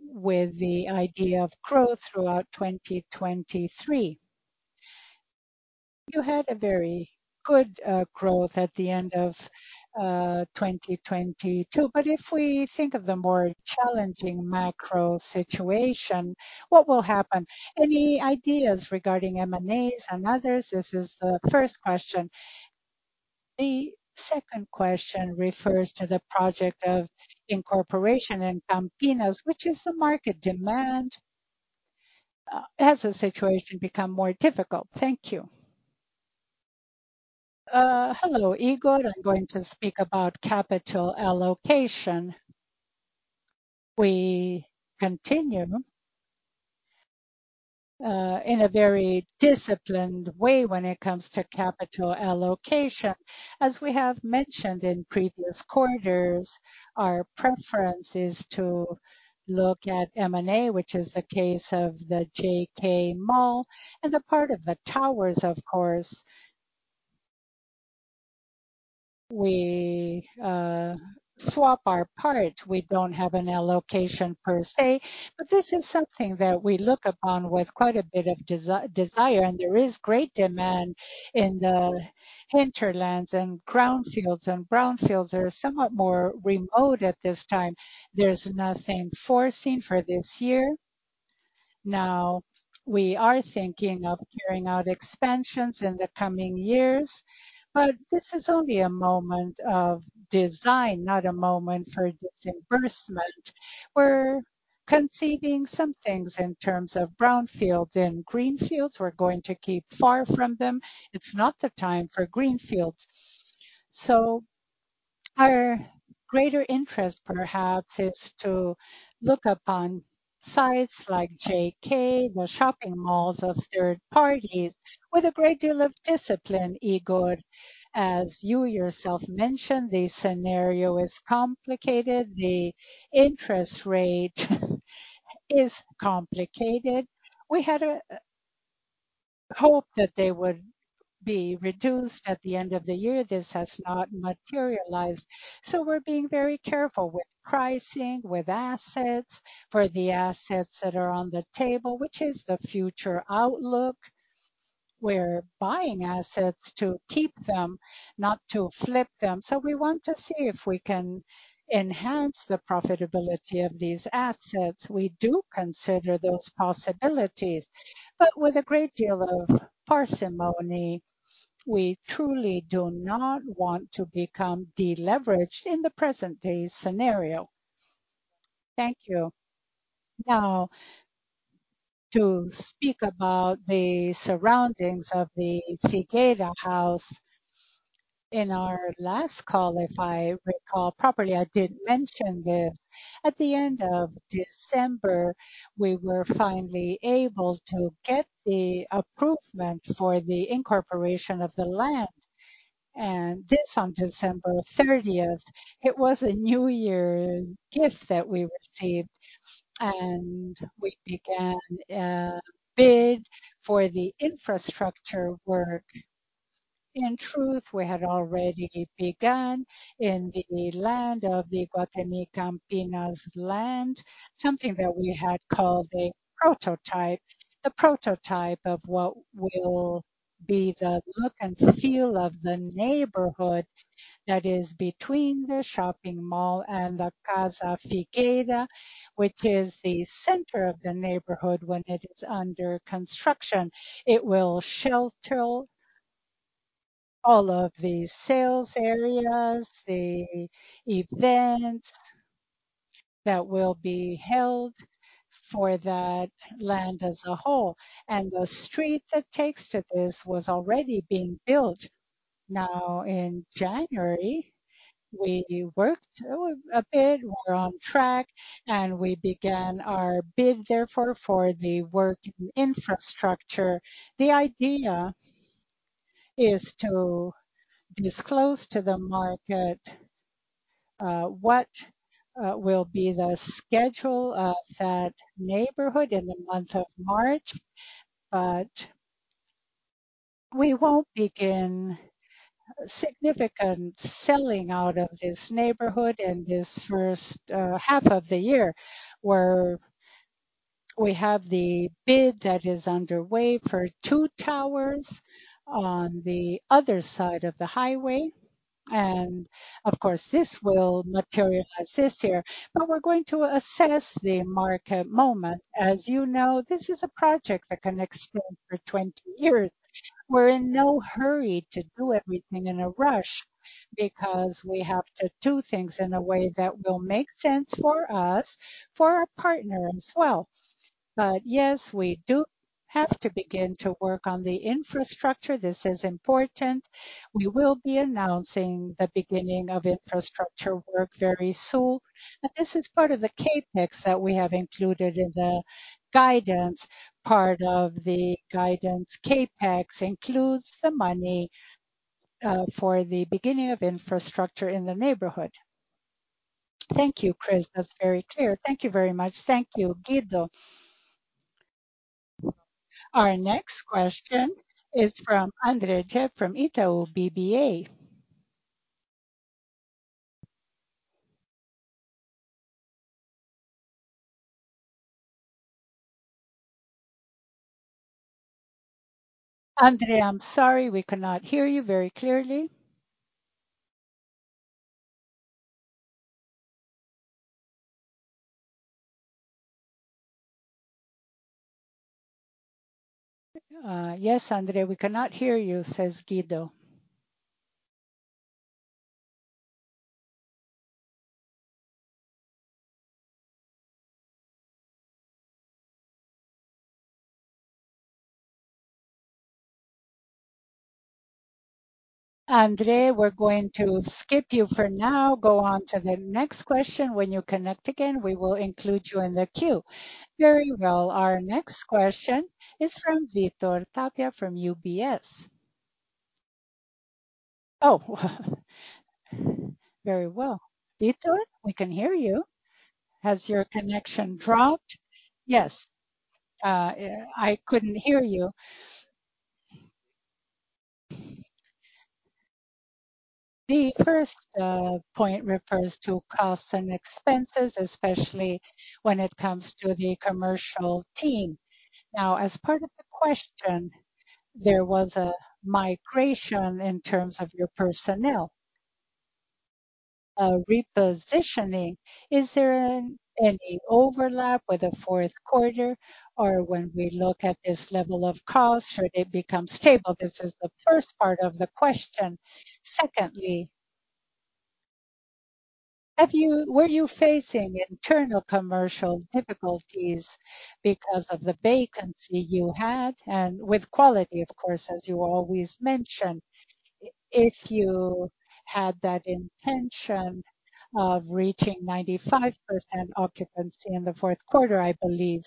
with the idea of growth throughout 2023? You had a very good growth at the end of 2022, if we think of the more challenging macro situation, what will happen? Any ideas regarding M&As and others? This is the first question. The second question refers to the project of incorporation in Campinas. Which is the market demand? Has the situation become more difficult? Thank you. Hello, Ygor. I'm going to speak about capital allocation. We continue in a very disciplined way when it comes to capital allocation. As we have mentioned in previous quarters, our preference is to look at M&A, which is the case of the JK Mall and the part of the towers, of course. We swap our part. We don't have an allocation per se, but this is something that we look upon with quite a bit of desire. There is great demand in the hinterlands and ground fields. Brown fields are somewhat more remote at this time. There's nothing foreseen for this year. We are thinking of carrying out expansions in the coming years. This is only a moment of design, not a moment for disbursement. We're conceiving some things in terms of brown field and green fields. We're going to keep far from them. It's not the time for green fields. Our greater interest perhaps is to look upon sites like JK, the shopping malls of third parties with a great deal of discipline, Ygor. As you yourself mentioned, the scenario is complicated. The interest rate is complicated. We had a hope that they would be reduced at the end of the year. This has not materialized. We're being very careful with pricing, with assets. For the assets that are on the table, which is the future outlook, we're buying assets to keep them, not to flip them. We want to see if we can enhance the profitability of these assets. We do consider those possibilities, but with a great deal of parsimony. We truly do not want to become deleveraged in the present day scenario. Thank you. To speak about the surroundings of the Figueira House. In our last call, if I recall properly, I did mention this. At the end of December, we were finally able to get the approval for the incorporation of the land. This on December 30th. It was a New Year's gift that we received, and we began a bid for the infrastructure work. We had already begun in the land of the Iguatemi Campinas land, something that we had called a prototype. The prototype of what will be the look and feel of the neighborhood that is between the shopping mall and the Casa Figueira, which is the center of the neighborhood when it is under construction. It will shelter all of the sales areas, the events that will be held for that land as a whole. The street that takes to this was already being built. Now in January, we worked a bit. We're on track, and we began our bid therefore for the work infrastructure. The idea is to disclose to the market, what will be the schedule of that neighborhood in the month of March, but we won't begin significant selling out of this neighborhood in this first half of the year, where we have the bid that is underway for two towers on the other side of the highway. Of course, this will materialize this year. We're going to assess the market moment. As you know, this is a project that can extend for 20 years. We're in no hurry to do everything in a rush because we have to do things in a way that will make sense for us, for our partner as well. Yes, we do have to begin to work on the infrastructure. This is important. We will be announcing the beginning of infrastructure work very soon. This is part of the CapEx that we have included in the guidance. Part of the guidance CapEx includes the money for the beginning of infrastructure in the neighborhood. Thank you, Chris. That's very clear. Thank you very much. Thank you, Guido. Our next question is from Andrea from Itaú BBA. Andre, I'm sorry we cannot hear you very clearly. Yes, Andre, we cannot hear you, says Guido. Andre, we're going to skip you for now. Go on to the next question. When you connect again, we will include you in the queue. Very well. Our next question is from Victor Tapia, from UBS. Oh, very well. Victor, we can hear you. Has your connection dropped? Yes. Yeah, I couldn't hear you. The first point refers to costs and expenses, especially when it comes to the commercial team. Now, as part of the question, there was a migration in terms of your personnel, a repositioning. Is there any overlap with the fourth quarter or when we look at this level of costs, should it become stable? This is the first part of the question. Secondly, were you facing internal commercial difficulties because of the vacancy you had and with quality, of course, as you always mention? If you had that intention of reaching 95% occupancy in the fourth quarter, I believe,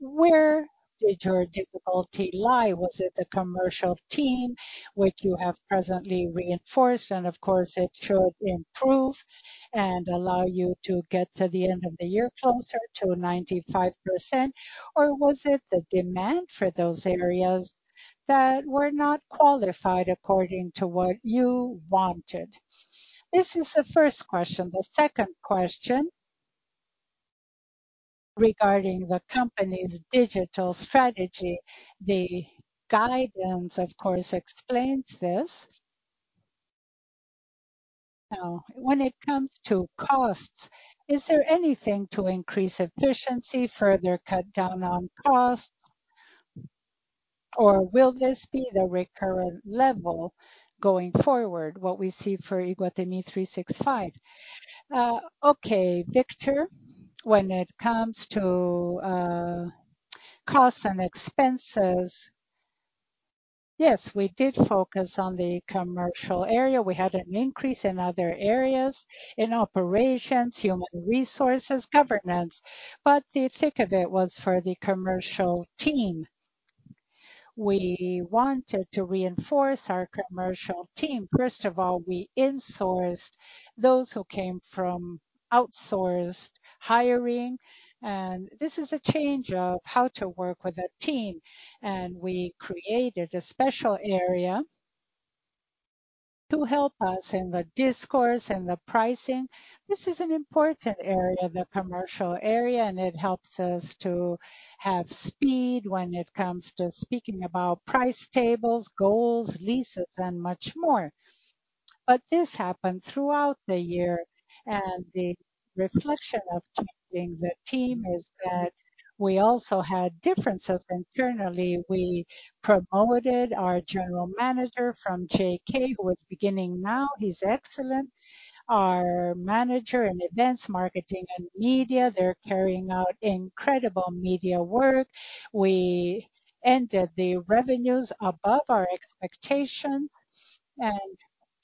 where did your difficulty lie? Was it the commercial team, which you have presently reinforced, and of course, it should improve and allow you to get to the end of the year, closer to 95%? Was it the demand for those areas that were not qualified according to what you wanted? This is the first question. The second question regarding the company's digital strategy. The guidance, of course, explains this. When it comes to costs, is there anything to increase efficiency, further cut down on costs? Will this be the recurrent level going forward, what we see for Iguatemi 365? Okay, Victor. When it comes to costs and expenses, yes, we did focus on the commercial area. We had an increase in other areas, in operations, human resources, governance. The thick of it was for the commercial team. We wanted to reinforce our commercial team. First of all, we insourced those who came from outsourced hiring, and this is a change of how to work with a team. We created a special area to help us in the discourse and the pricing. This is an important area, the commercial area, and it helps us to have speed when it comes to speaking about price tables, goals, leases, and much more. This happened throughout the year, and the reflection of changing the team is that we also had differences internally. We promoted our general manager from JK, who is beginning now. He's excellent. Our manager in events, marketing, and media, they're carrying out incredible media work. We ended the revenues above our expectations, and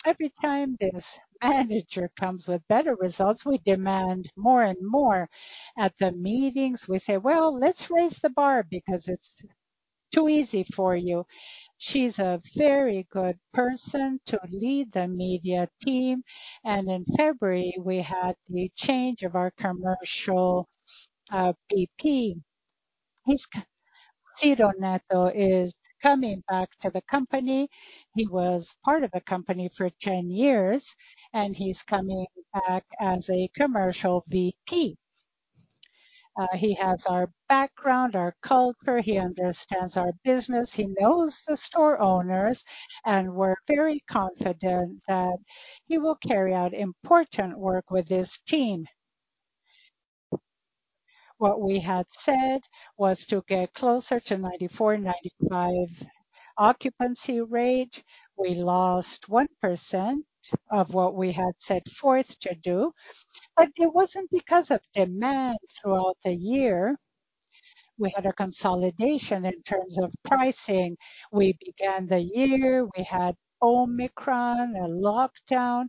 every time this manager comes with better results, we demand more and more. At the meetings, we say, "Well, let's raise the bar because it's too easy for you." She's a very good person to lead the media team. In February, we had the change of our commercial VP. Ciro Neto is coming back to the company. He was part of the company for 10 years, and he's coming back as a commercial VP. He has our background, our culture. He understands our business. He knows the store owners, and we're very confident that he will carry out important work with his team. What we had said was to get closer to 94%-95% occupancy rate. We lost 1% of what we had set forth to do, but it wasn't because of demand throughout the year. We had a consolidation in terms of pricing. We began the year. We had Omicron, a lockdown.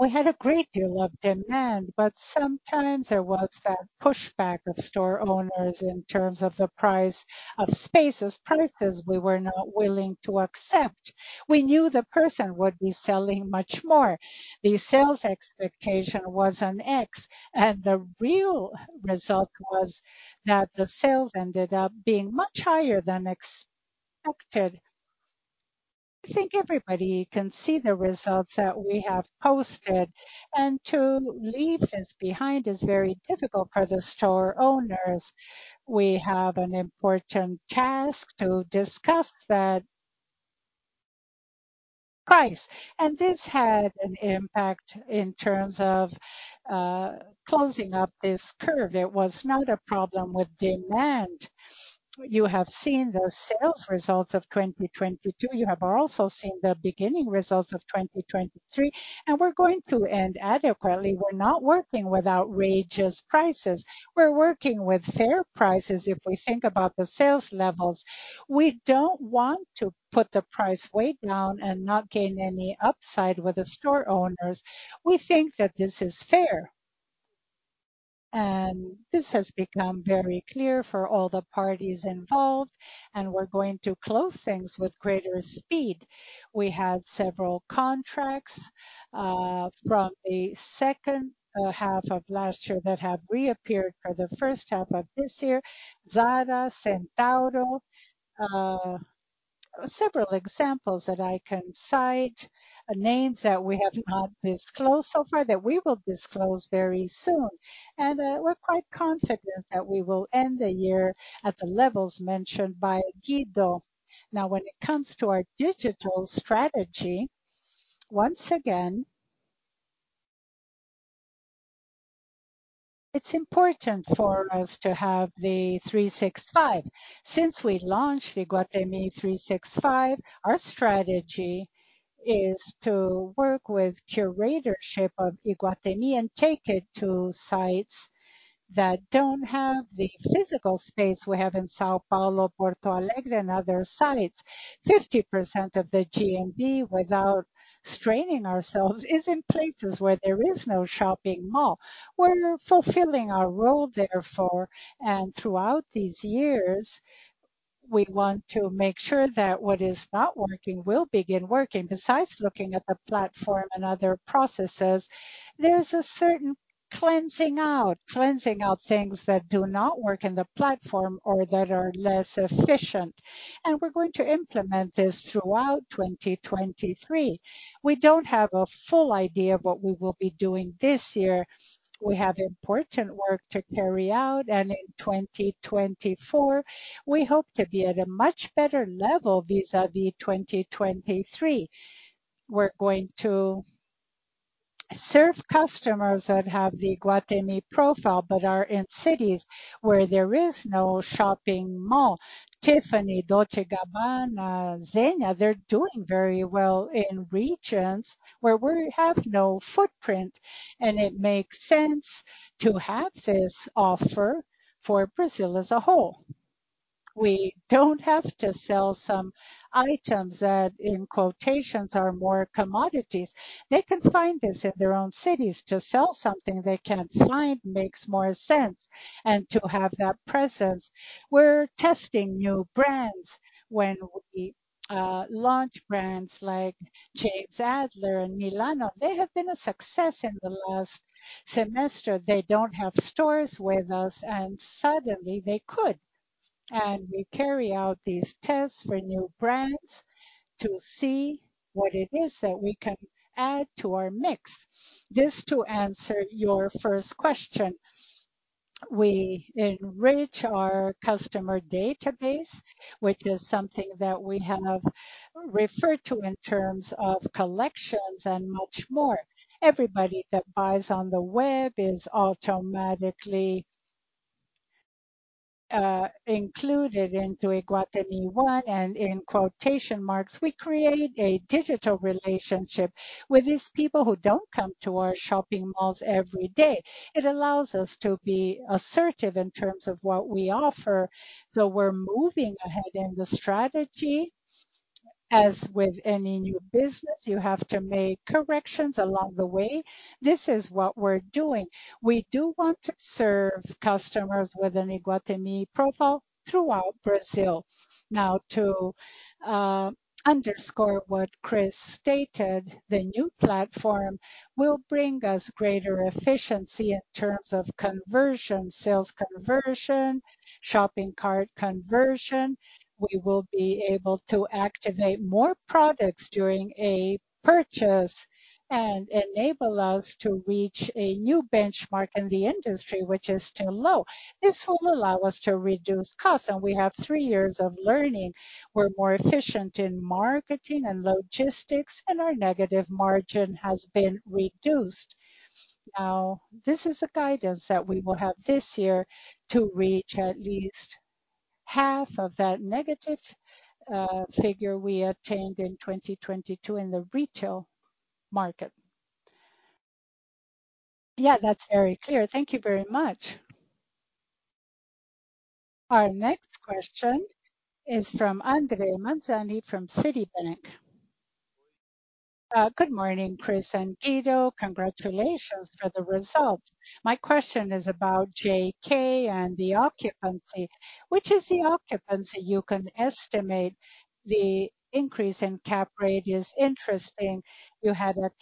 We had a great deal of demand. Sometimes there was that pushback of store owners in terms of the price of spaces, prices we were not willing to accept. We knew the person would be selling much more. The sales expectation was an X, and the real result was that the sales ended up being much higher than expected. I think everybody can see the results that we have posted, and to leave this behind is very difficult for the store owners. We have an important task to discuss that price. This had an impact in terms of closing up this curve. It was not a problem with demand. You have seen the sales results of 2022. You have also seen the beginning results of 2023. We're going to end adequately. We're not working with outrageous prices. We're working with fair prices if we think about the sales levels. We don't want to put the price way down and not gain any upside with the store owners. We think that this is fair. This has become very clear for all the parties involved, and we're going to close things with greater speed. We had several contracts from the second half of last year that have reappeared for the first half of this year. Zara, Centauro, several examples that I can cite. Names that we have not disclosed so far that we will disclose very soon. We're quite confident that we will end the year at the levels mentioned by Guido. When it comes to our digital strategy, once again, it's important for us to have the 365. Since we launched Iguatemi 365, our strategy is to work with curatorship of Iguatemi and take it to sites that don't have the physical space we have in São Paulo, Porto Alegre, and other sites. 50% of the GMV without straining ourselves is in places where there is no shopping mall. We're fulfilling our role therefore, and throughout these years, we want to make sure that what is not working will begin working. Besides looking at the platform and other processes, there's a certain cleansing out. Cleansing out things that do not work in the platform or that are less efficient. We're going to implement this throughout 2023. We don't have a full idea of what we will be doing this year. We have important work to carry out, and in 2024, we hope to be at a much better level vis-a-vis 2023. We're going to serve customers that have the Iguatemi profile but are in cities where there is no shopping mall. Tiffany, Dolce & Gabbana, Zegna, they're doing very well in regions where we have no footprint, and it makes sense to have this offer for Brazil as a whole. We don't have to sell some items that, in quotations, are more commodities. They can find this in their own cities. To sell something they can find makes more sense and to have that presence. We're testing new brands. When we launch brands like Jonathan Adler and Milano, they have been a success in the last semester. They don't have stores with us, and suddenly they could. We carry out these tests for new brands to see what it is that we can add to our mix. This to answer your first question. We enrich our customer database, which is something that we have referred to in terms of collections and much more. Everybody that buys on the web is automatically included into Iguatemi One, and in quotation marks, we create a digital relationship with these people who don't come to our shopping malls every day. It allows us to be assertive in terms of what we offer. We're moving ahead in the strategy. As with any new business, you have to make corrections along the way. This is what we're doing. We do want to serve customers with an Iguatemi profile throughout Brazil. To underscore what Chris stated, the new platform will bring us greater efficiency in terms of conversion, sales conversion, shopping cart conversion. We will be able to activate more products during a purchase and enable us to reach a new benchmark in the industry, which is still low. This will allow us to reduce costs. We have three years of learning. We're more efficient in marketing and logistics. Our negative margin has been reduced. This is a guidance that we will have this year to reach at least half of that negative figure we obtained in 2022 in the retail market. That's very clear. Thank you very much. Our next question is from André Mazini from Citibank. Good morning, Chris and Guido. Congratulations for the results. My question is about JK and the occupancy. Which is the occupancy you can estimate? The increase in cap rate is interesting. You had a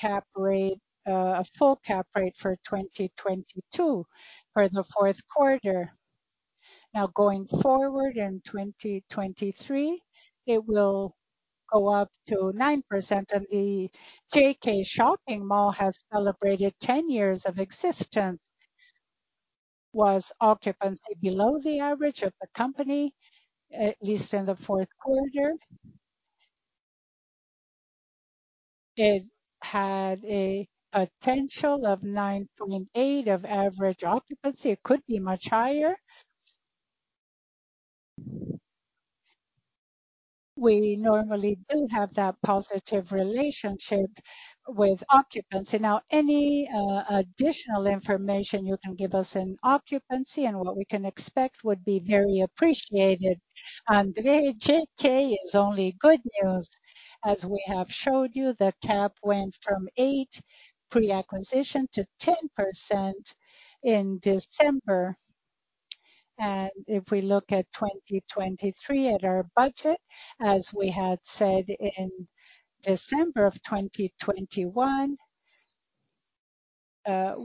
full cap rate for 2022 for the fourth quarter. Going forward in 2023, it will go up to 9%, and the JK shopping mall has celebrated 10 years of existence. Was occupancy below the average of the company, at least in the fourth quarter? It had a potential of 9.8 of average occupancy. It could be much higher. We normally do have that positive relationship with occupancy. Any additional information you can give us in occupancy and what we can expect would be very appreciated. André, JK is only good news. As we have showed you, the CAP went from eight pre-acquisition to 10% in December. If we look at 2023 at our budget, as we had said in December of 2021,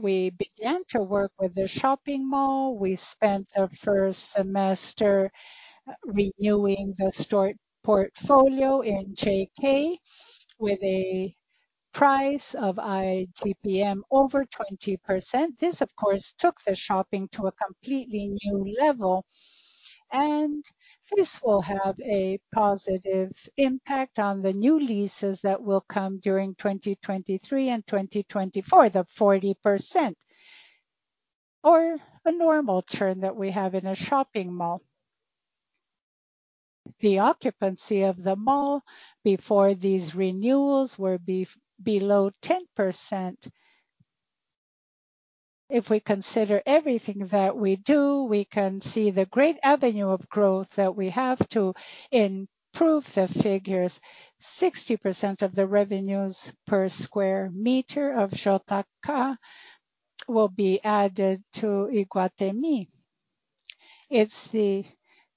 we began to work with the shopping mall. We spent the first semester renewing the store portfolio in JK with a price of ITPM over 20%. This, of course, took the shopping to a completely new level. This will have a positive impact on the new leases that will come during 2023 and 2024, the 40% or a normal churn that we have in a shopping mall. The occupancy of the mall before these renewals were below 10%. If we consider everything that we do, we can see the great avenue of growth that we have to improve the figures. 60% of the revenues per square meter of Xotaka will be added to Iguatemi. It's the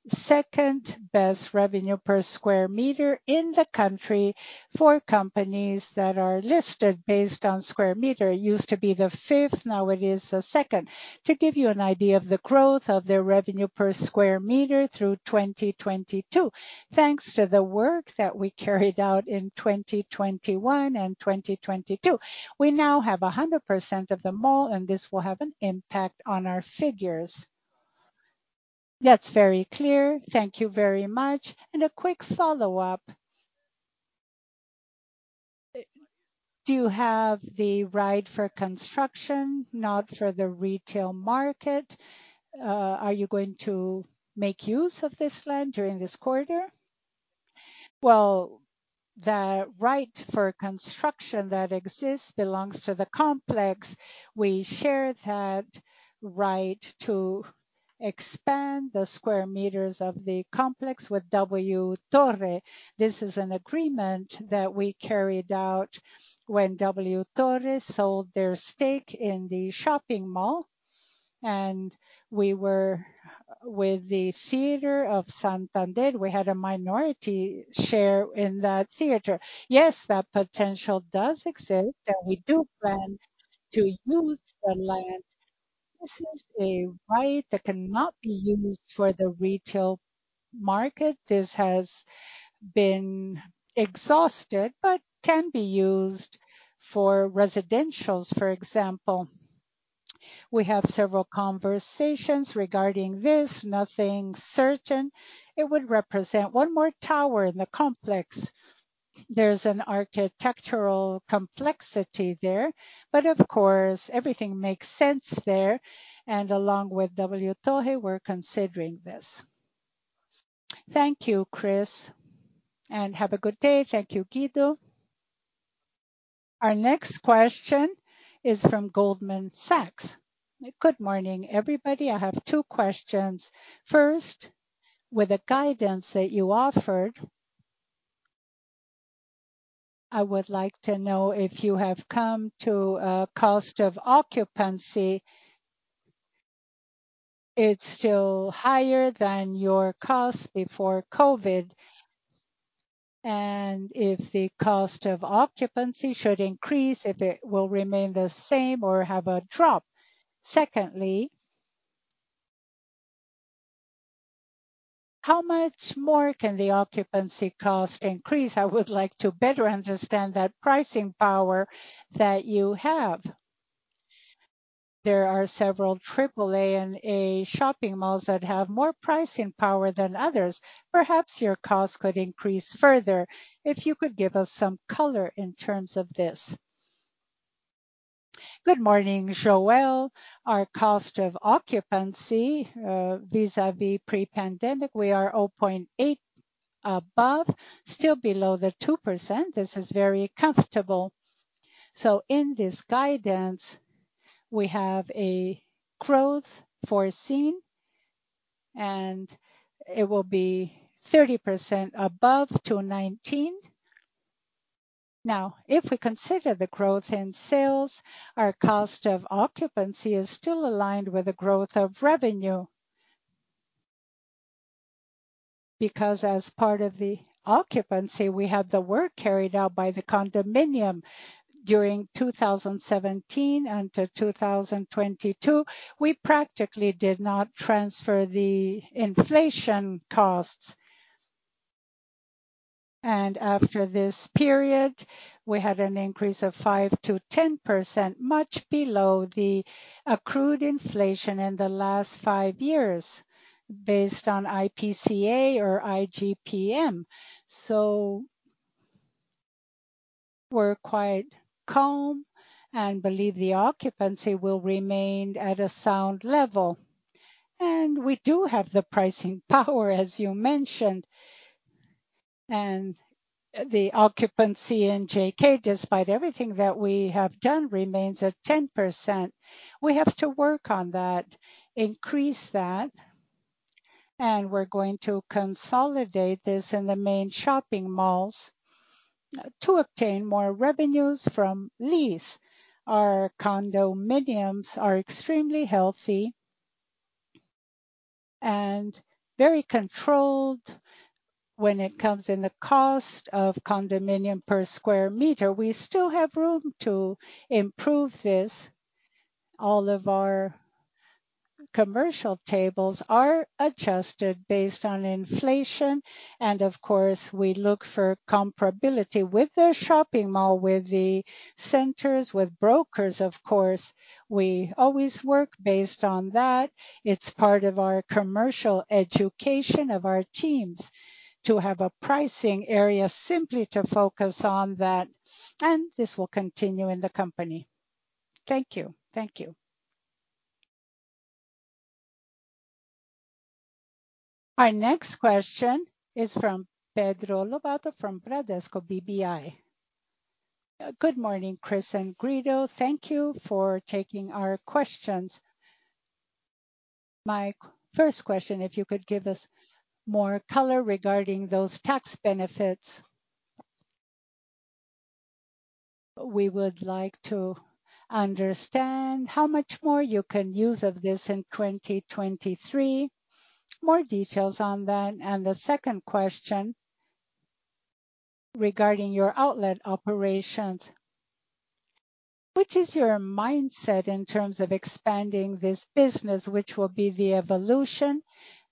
second best revenue per square meter in the country for companies that are listed based on square meter. It used to be the fifth, now it is the second. To give you an idea of the growth of their revenue per square meter through 2022, thanks to the work that we carried out in 2021 and 2022, we now have 100% of the mall, and this will have an impact on our figures. That's very clear. Thank you very much. A quick follow-up. Do you have the right for construction, not for the retail market? Are you going to make use of this land during this quarter? Well, the right for construction that exists belongs to the complex. We share that right to expand the square meters of the complex with WTorre. This is an agreement that we carried out when WTorre sold their stake in the shopping mall, and we were with the Teatro Santander. We had a minority share in that theater. Yes, that potential does exist, we do plan to use the land. This is a right that cannot be used for the retail market. This has been exhausted, can be used for residentials, for example. We have several conversations regarding this. Nothing certain. It would represent one more tower in the complex. There's an architectural complexity there, but of course, everything makes sense there. Along with WTorre, we're considering this. Thank you, Chris, and have a good day. Thank you, Guido. Our next question is from Goldman Sachs. Good morning, everybody. I have two questions. First, with the guidance that you offered, I would like to know if you have come to a cost of occupancy. It's still higher than your cost before COVID. If the cost of occupancy should increase, if it will remain the same or have a drop. Secondly, how much more can the occupancy cost increase? I would like to better understand that pricing power that you have. There are several triple-A and A shopping malls that have more pricing power than others. Perhaps your cost could increase further. If you could give us some color in terms of this. Good morning, João Soares. Our cost of occupancy, vis-a-vis pre-pandemic, we are 0.8 above, still below the 2%. This is very comfortable. In this guidance, we have a growth foreseen, and it will be 30% above to 2019. If we consider the growth in sales, our cost of occupancy is still aligned with the growth of revenue. Because as part of the occupancy, we have the work carried out by the condominium during 2017 until 2022. We practically did not transfer the inflation costs. After this period, we had an increase of 5%-10%, much below the accrued inflation in the last five years based on IPCA or IGPM. We're quite calm and believe the occupancy will remain at a sound level. We do have the pricing power, as you mentioned. The occupancy in JK, despite everything that we have done, remains at 10%. We have to work on that, increase that, and we're going to consolidate this in the main shopping malls to obtain more revenues from lease. Our condominiums are extremely healthy and very controlled when it comes in the cost of condominium per square meter. We still have room to improve this. All of our commercial tables are adjusted based on inflation, and of course, we look for comparability with the shopping mall, with the centers, with brokers, of course. We always work based on that. It's part of our commercial education of our teams to have a pricing area simply to focus on that, and this will continue in the company. Thank you. Thank you. Our next question is from Pedro Lattuca from Bradesco BBI. Good morning, Chris and Guido. Thank you for taking our questions. My first question, if you could give us more color regarding those tax benefits. We would like to understand how much more you can use of this in 2023. More details on that. The second question regarding your outlet operations. Which is your mindset in terms of expanding this business? Which will be the evolution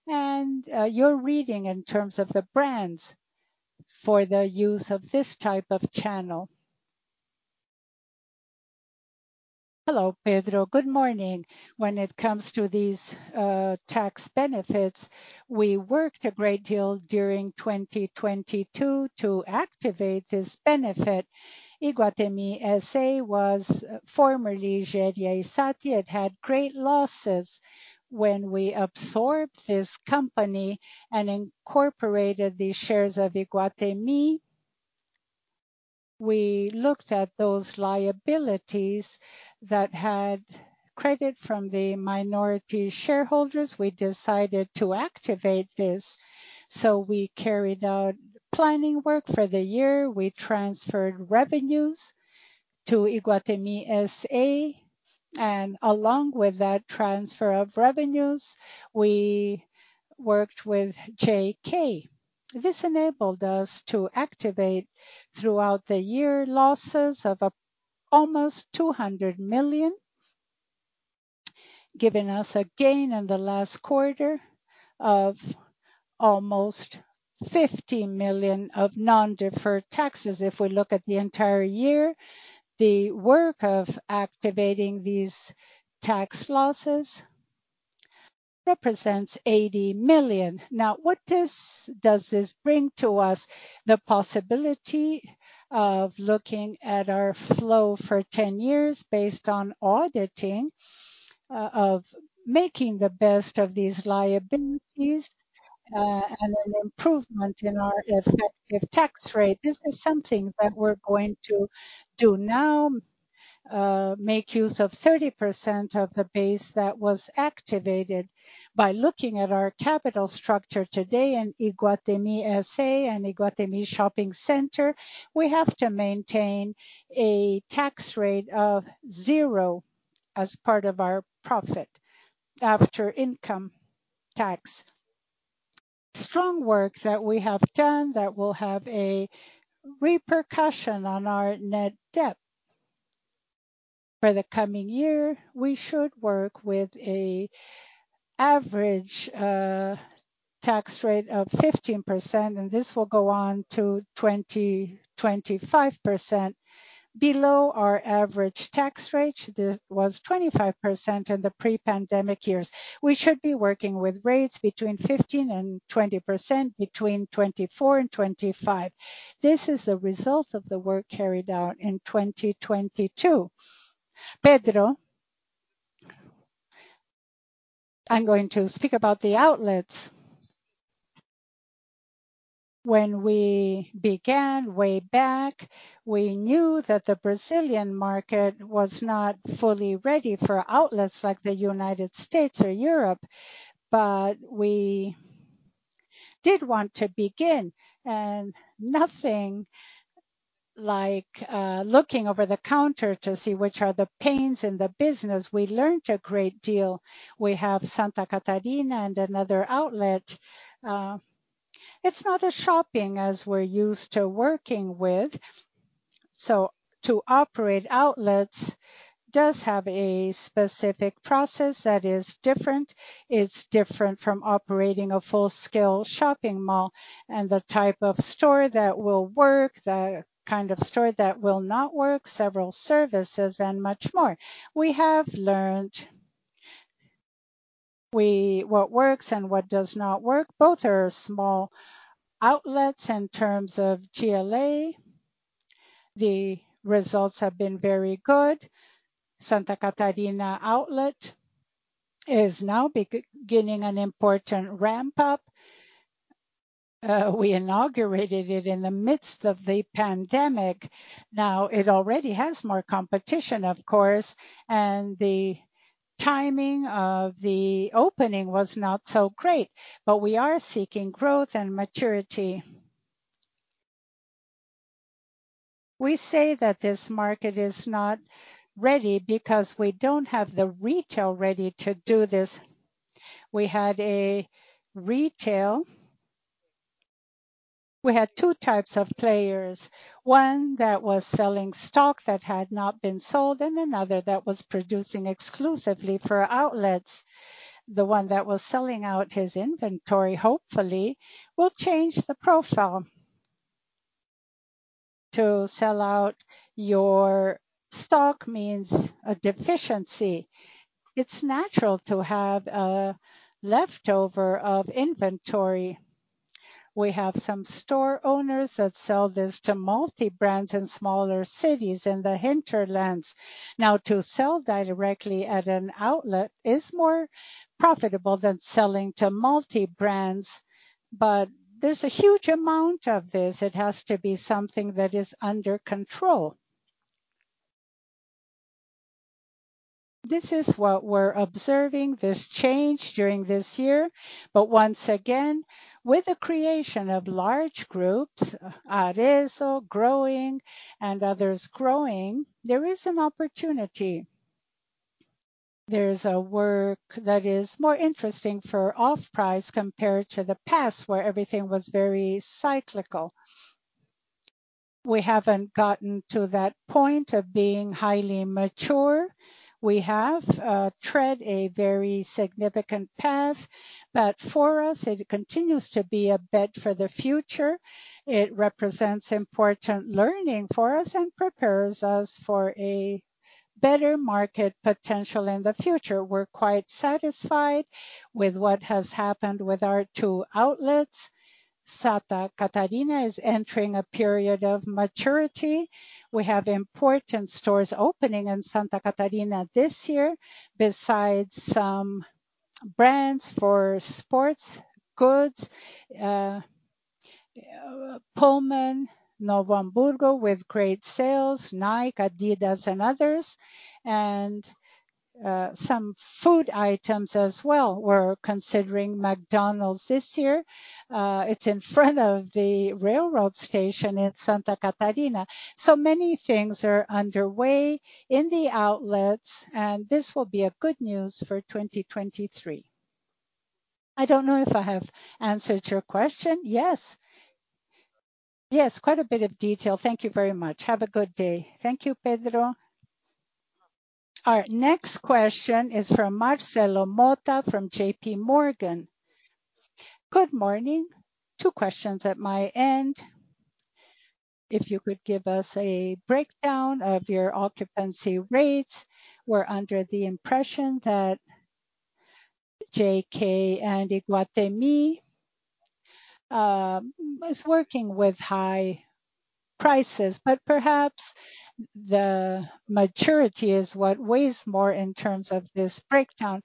and your reading in terms of the brands for the use of this type of channel? Hello, Pedro. Good morning. When it comes to these tax benefits, we worked a great deal during 2022 to activate this benefit. Iguatemi S.A. was formerly Jereissati Participações S.A.. It had great losses. When we absorbed this company and incorporated the shares of Iguatemi, we looked at those liabilities that had credit from the minority shareholders. We decided to activate this, so we carried out planning work for the year. We transferred revenues to Iguatemi S.A., and along with that transfer of revenues, we worked with JK. This enabled us to activate throughout the year losses of almost 200 million, giving us a gain in the last quarter of almost 50 million of non-deferred taxes. If we look at the entire year, the work of activating these tax losses represents 80 million. Now, what does this bring to us? The possibility of looking at our flow for 10 years based on auditing, of making the best of these liabilities, and an improvement in our effective tax rate. This is something that we're going to do now, make use of 30% of the base that was activated. By looking at our capital structure today in Iguatemi S.A. and Iguatemi Shopping Center, we have to maintain a tax rate of 0 as part of our profit after income tax. Strong work that we have done that will have a repercussion on our net debt. For the coming year, we should work with a average tax rate of 15%, and this will go on to 20%-25%. Below our average tax rate, this was 25% in the pre-pandemic years. We should be working with rates between 15% - 20% between 2024 - 2025. This is a result of the work carried out in 2022. Pedro, I'm going to speak about the outlets. When we began way back, we knew that the Brazilian market was not fully ready for outlets like the United States or Europe. We did want to begin, and nothing like looking over the counter to see which are the pains in the business. We learned a great deal. We have Santa Catarina and another outlet. It's not a shopping as we're used to working with. To operate outlets does have a specific process that is different. It's different from operating a full-scale shopping mall and the type of store that will work, the kind of store that will not work, several services and much more. We have learned what works and what does not work. Both are small outlets in terms of GLA. The results have been very good. Catarina Fashion Outlet is now getting an important ramp up. We inaugurated it in the midst of the pandemic. It already has more competition, of course, and the timing of the opening was not so great. We are seeking growth and maturity. We say that this market is not ready because we don't have the retail ready to do this. We had 2 types of players. One that was selling stock that had not been sold and another that was producing exclusively for outlets. The one that was selling out his inventory, hopefully will change the profile. To sell out your stock means a deficiency. It's natural to have a leftover of inventory. We have some store owners that sell this to multi-brands in smaller cities in the hinterlands. To sell directly at an outlet is more profitable than selling to multi-brands. There's a huge amount of this. It has to be something that is under control. This is what we're observing, this change during this year. Once again, with the creation of large groups, Arezzo growing and others growing, there is an opportunity. There's a work that is more interesting for off-price compared to the past where everything was very cyclical. We haven't gotten to that point of being highly mature. We have tread a very significant path, for us it continues to be a bet for the future. It represents important learning for us and prepares us for a better market potential in the future. We're quite satisfied with what has happened with our two outlets. Santa Catarina is entering a period of maturity. We have important stores opening in Santa Catarina this year. Besides some brands for sports goods, Pullman, Novo Hamburgo with great sales, Nike, Adidas and others, and some food items as well. We're considering McDonald's this year. It's in front of the railroad station in Santa Catarina. Many things are underway in the outlets and this will be a good news for 2023. I don't know if I have answered your question. Yes. Yes, quite a bit of detail. Thank you very much. Have a good day. Thank you, Pedro. Our next question is from Marcelo Mota from JP Morgan. Good morning. Two questions at my end. If you could give us a breakdown of your occupancy rates. We're under the impression that JK and Iguatemi is working with high prices, but perhaps the maturity is what weighs more in terms of this breakdown.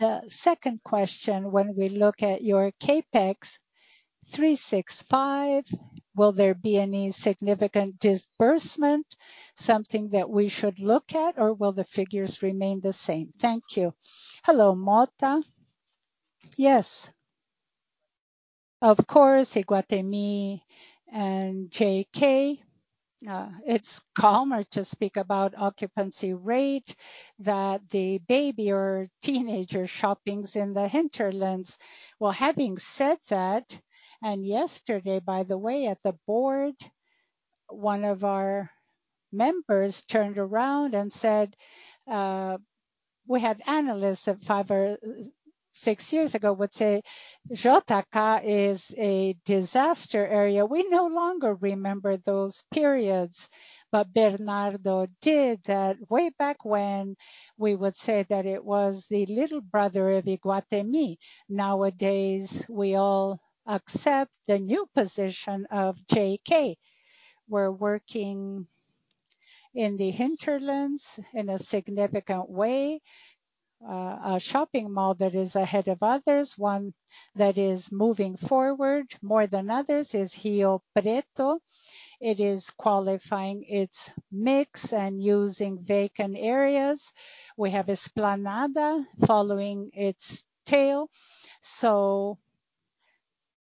The second question, when we look at your CapEx 365, will there be any significant disbursement, something that we should look at, or will the figures remain the same? Thank you. Hello, Mota. Yes. Of course, Iguatemi and JK, it's calmer to speak about occupancy rate that the baby or teenager shopping is in the hinterlands. Having said that, yesterday, by the way, at the board, one of our members turned around and said, we had analysts five or six years ago would say, JK is a disaster area. We no longer remember those periods. Bernardo did that way back when we would say that it was the little brother of Iguatemi. Nowadays, we all accept the new position of JK. We're working in the hinterlands in a significant way. A shopping mall that is ahead of others, one that is moving forward more than others is Rio Preto. It is qualifying its mix and using vacant areas. We have Esplanada following its tail.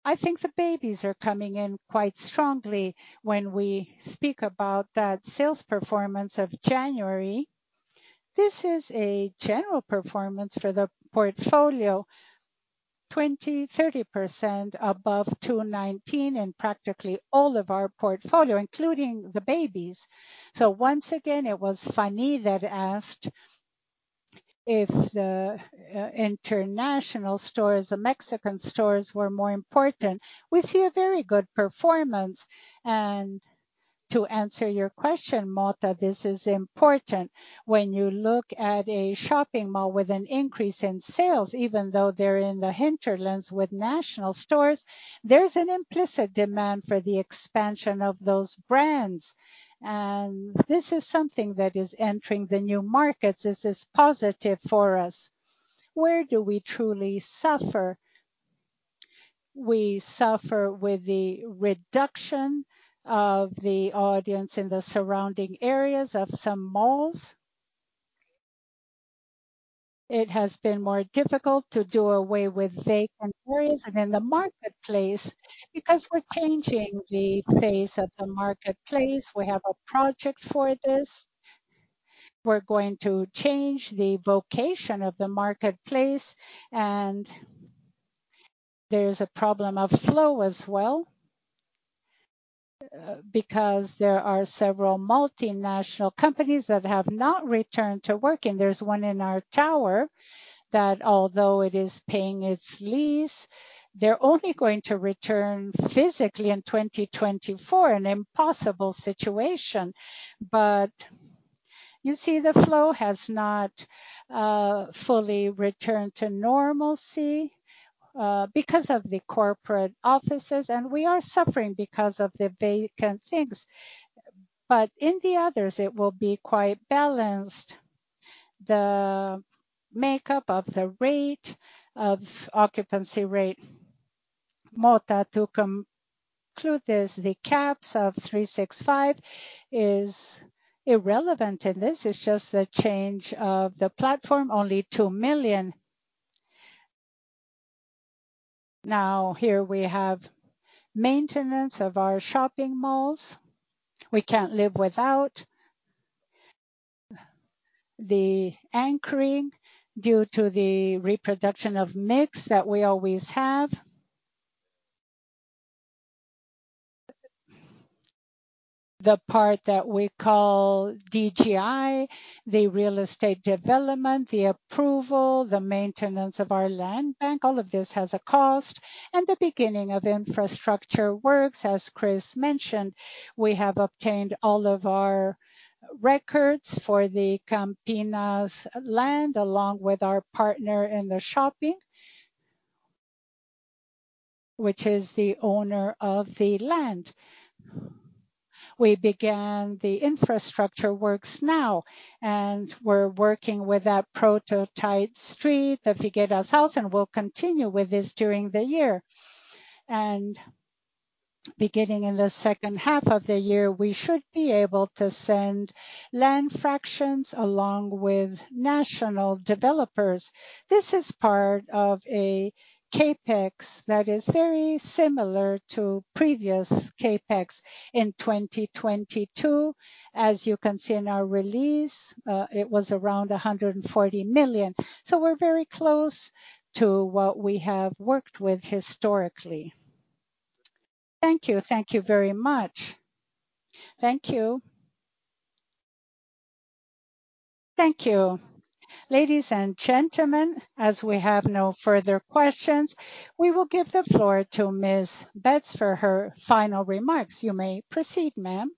I think the babies are coming in quite strongly when we speak about that sales performance of January. This is a general performance for the portfolio. 20%, 30% above 2019 in practically all of our portfolio, including the babies. Once again, it was Fani that asked if the international stores, the Mexican stores were more important. We see a very good performance. To answer your question, Motta, this is important. When you look at a shopping mall with an increase in sales, even though they're in the hinterlands with national stores, there's an implicit demand for the expansion of those brands. This is something that is entering the new markets. This is positive for us. Where do we truly suffer? We suffer with the reduction of the audience in the surrounding areas of some malls. It has been more difficult to do away with vacant areas and then the marketplace, because we're changing the face of the marketplace. We have a project for this. We're going to change the vocation of the marketplace, and there is a problem of flow as well, because there are several multinational companies that have not returned to work. There's one in our tower that although it is paying its lease, they're only going to return physically in 2024. An impossible situation. You see the flow has not fully returned to normalcy, because of the corporate offices, and we are suffering because of the vacant things. In the others it will be quite balanced. The makeup of the occupancy rate. Motta, to conclude this, the caps of 365 is irrelevant in this. It's just a change of the platform. Only 2 million. Here we have maintenance of our shopping malls. We can't live without. The anchoring due to the reproduction of mix that we always have. The part that we call DGI. The real estate development, the approval, the maintenance of our land bank, all of this has a cost. The beginning of infrastructure works, as Chris mentioned. We have obtained all of our records for the Campinas land, along with our partner in the shopping, which is the owner of the land. We began the infrastructure works now, and we're working with that prototype street, the Casa Figueira, and we'll continue with this during the year. Beginning in the second half of the year, we should be able to send land fractions along with national developers. This is part of a CapEx that is very similar to previous CapEx in 2022. As you can see in our release, it was around 140 million. We're very close to what we have worked with historically. Thank you. Thank you very much. Thank you. Thank you. Ladies and gentlemen, as we have no further questions, we will give the floor to Ms. Betz for her final remarks. You may proceed, ma'am.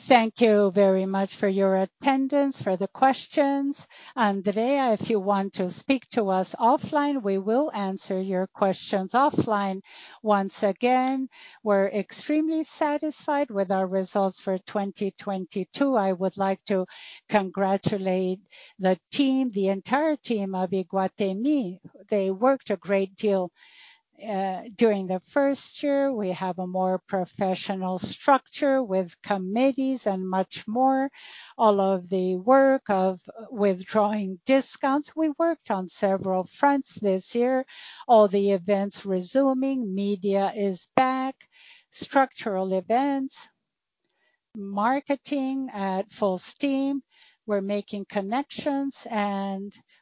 Thank you very much for your attendance, for the questions. Today, if you want to speak to us offline, we will answer your questions offline. Once again, we're extremely satisfied with our results for 2022. I would like to congratulate the entire team of Iguatemi. They worked a great deal during the first year. We have a more professional structure with committees and much more. All of the work of withdrawing discounts. We worked on several fronts this year. All the events resuming. Media is back. Structural events. Marketing at full steam. We're making connections.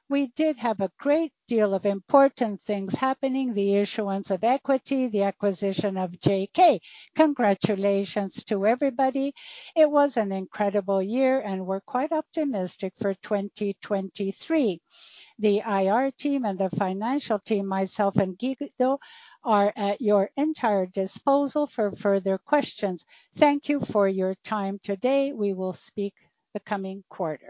We did have a great deal of important things happening. The issuance of equity. The acquisition of JK Congratulations to everybody. It was an incredible year. We're quite optimistic for 2023. The IR team and the financial team, myself and Guido, are at your entire disposal for further questions. Thank you for your time today. We will speak the coming quarter.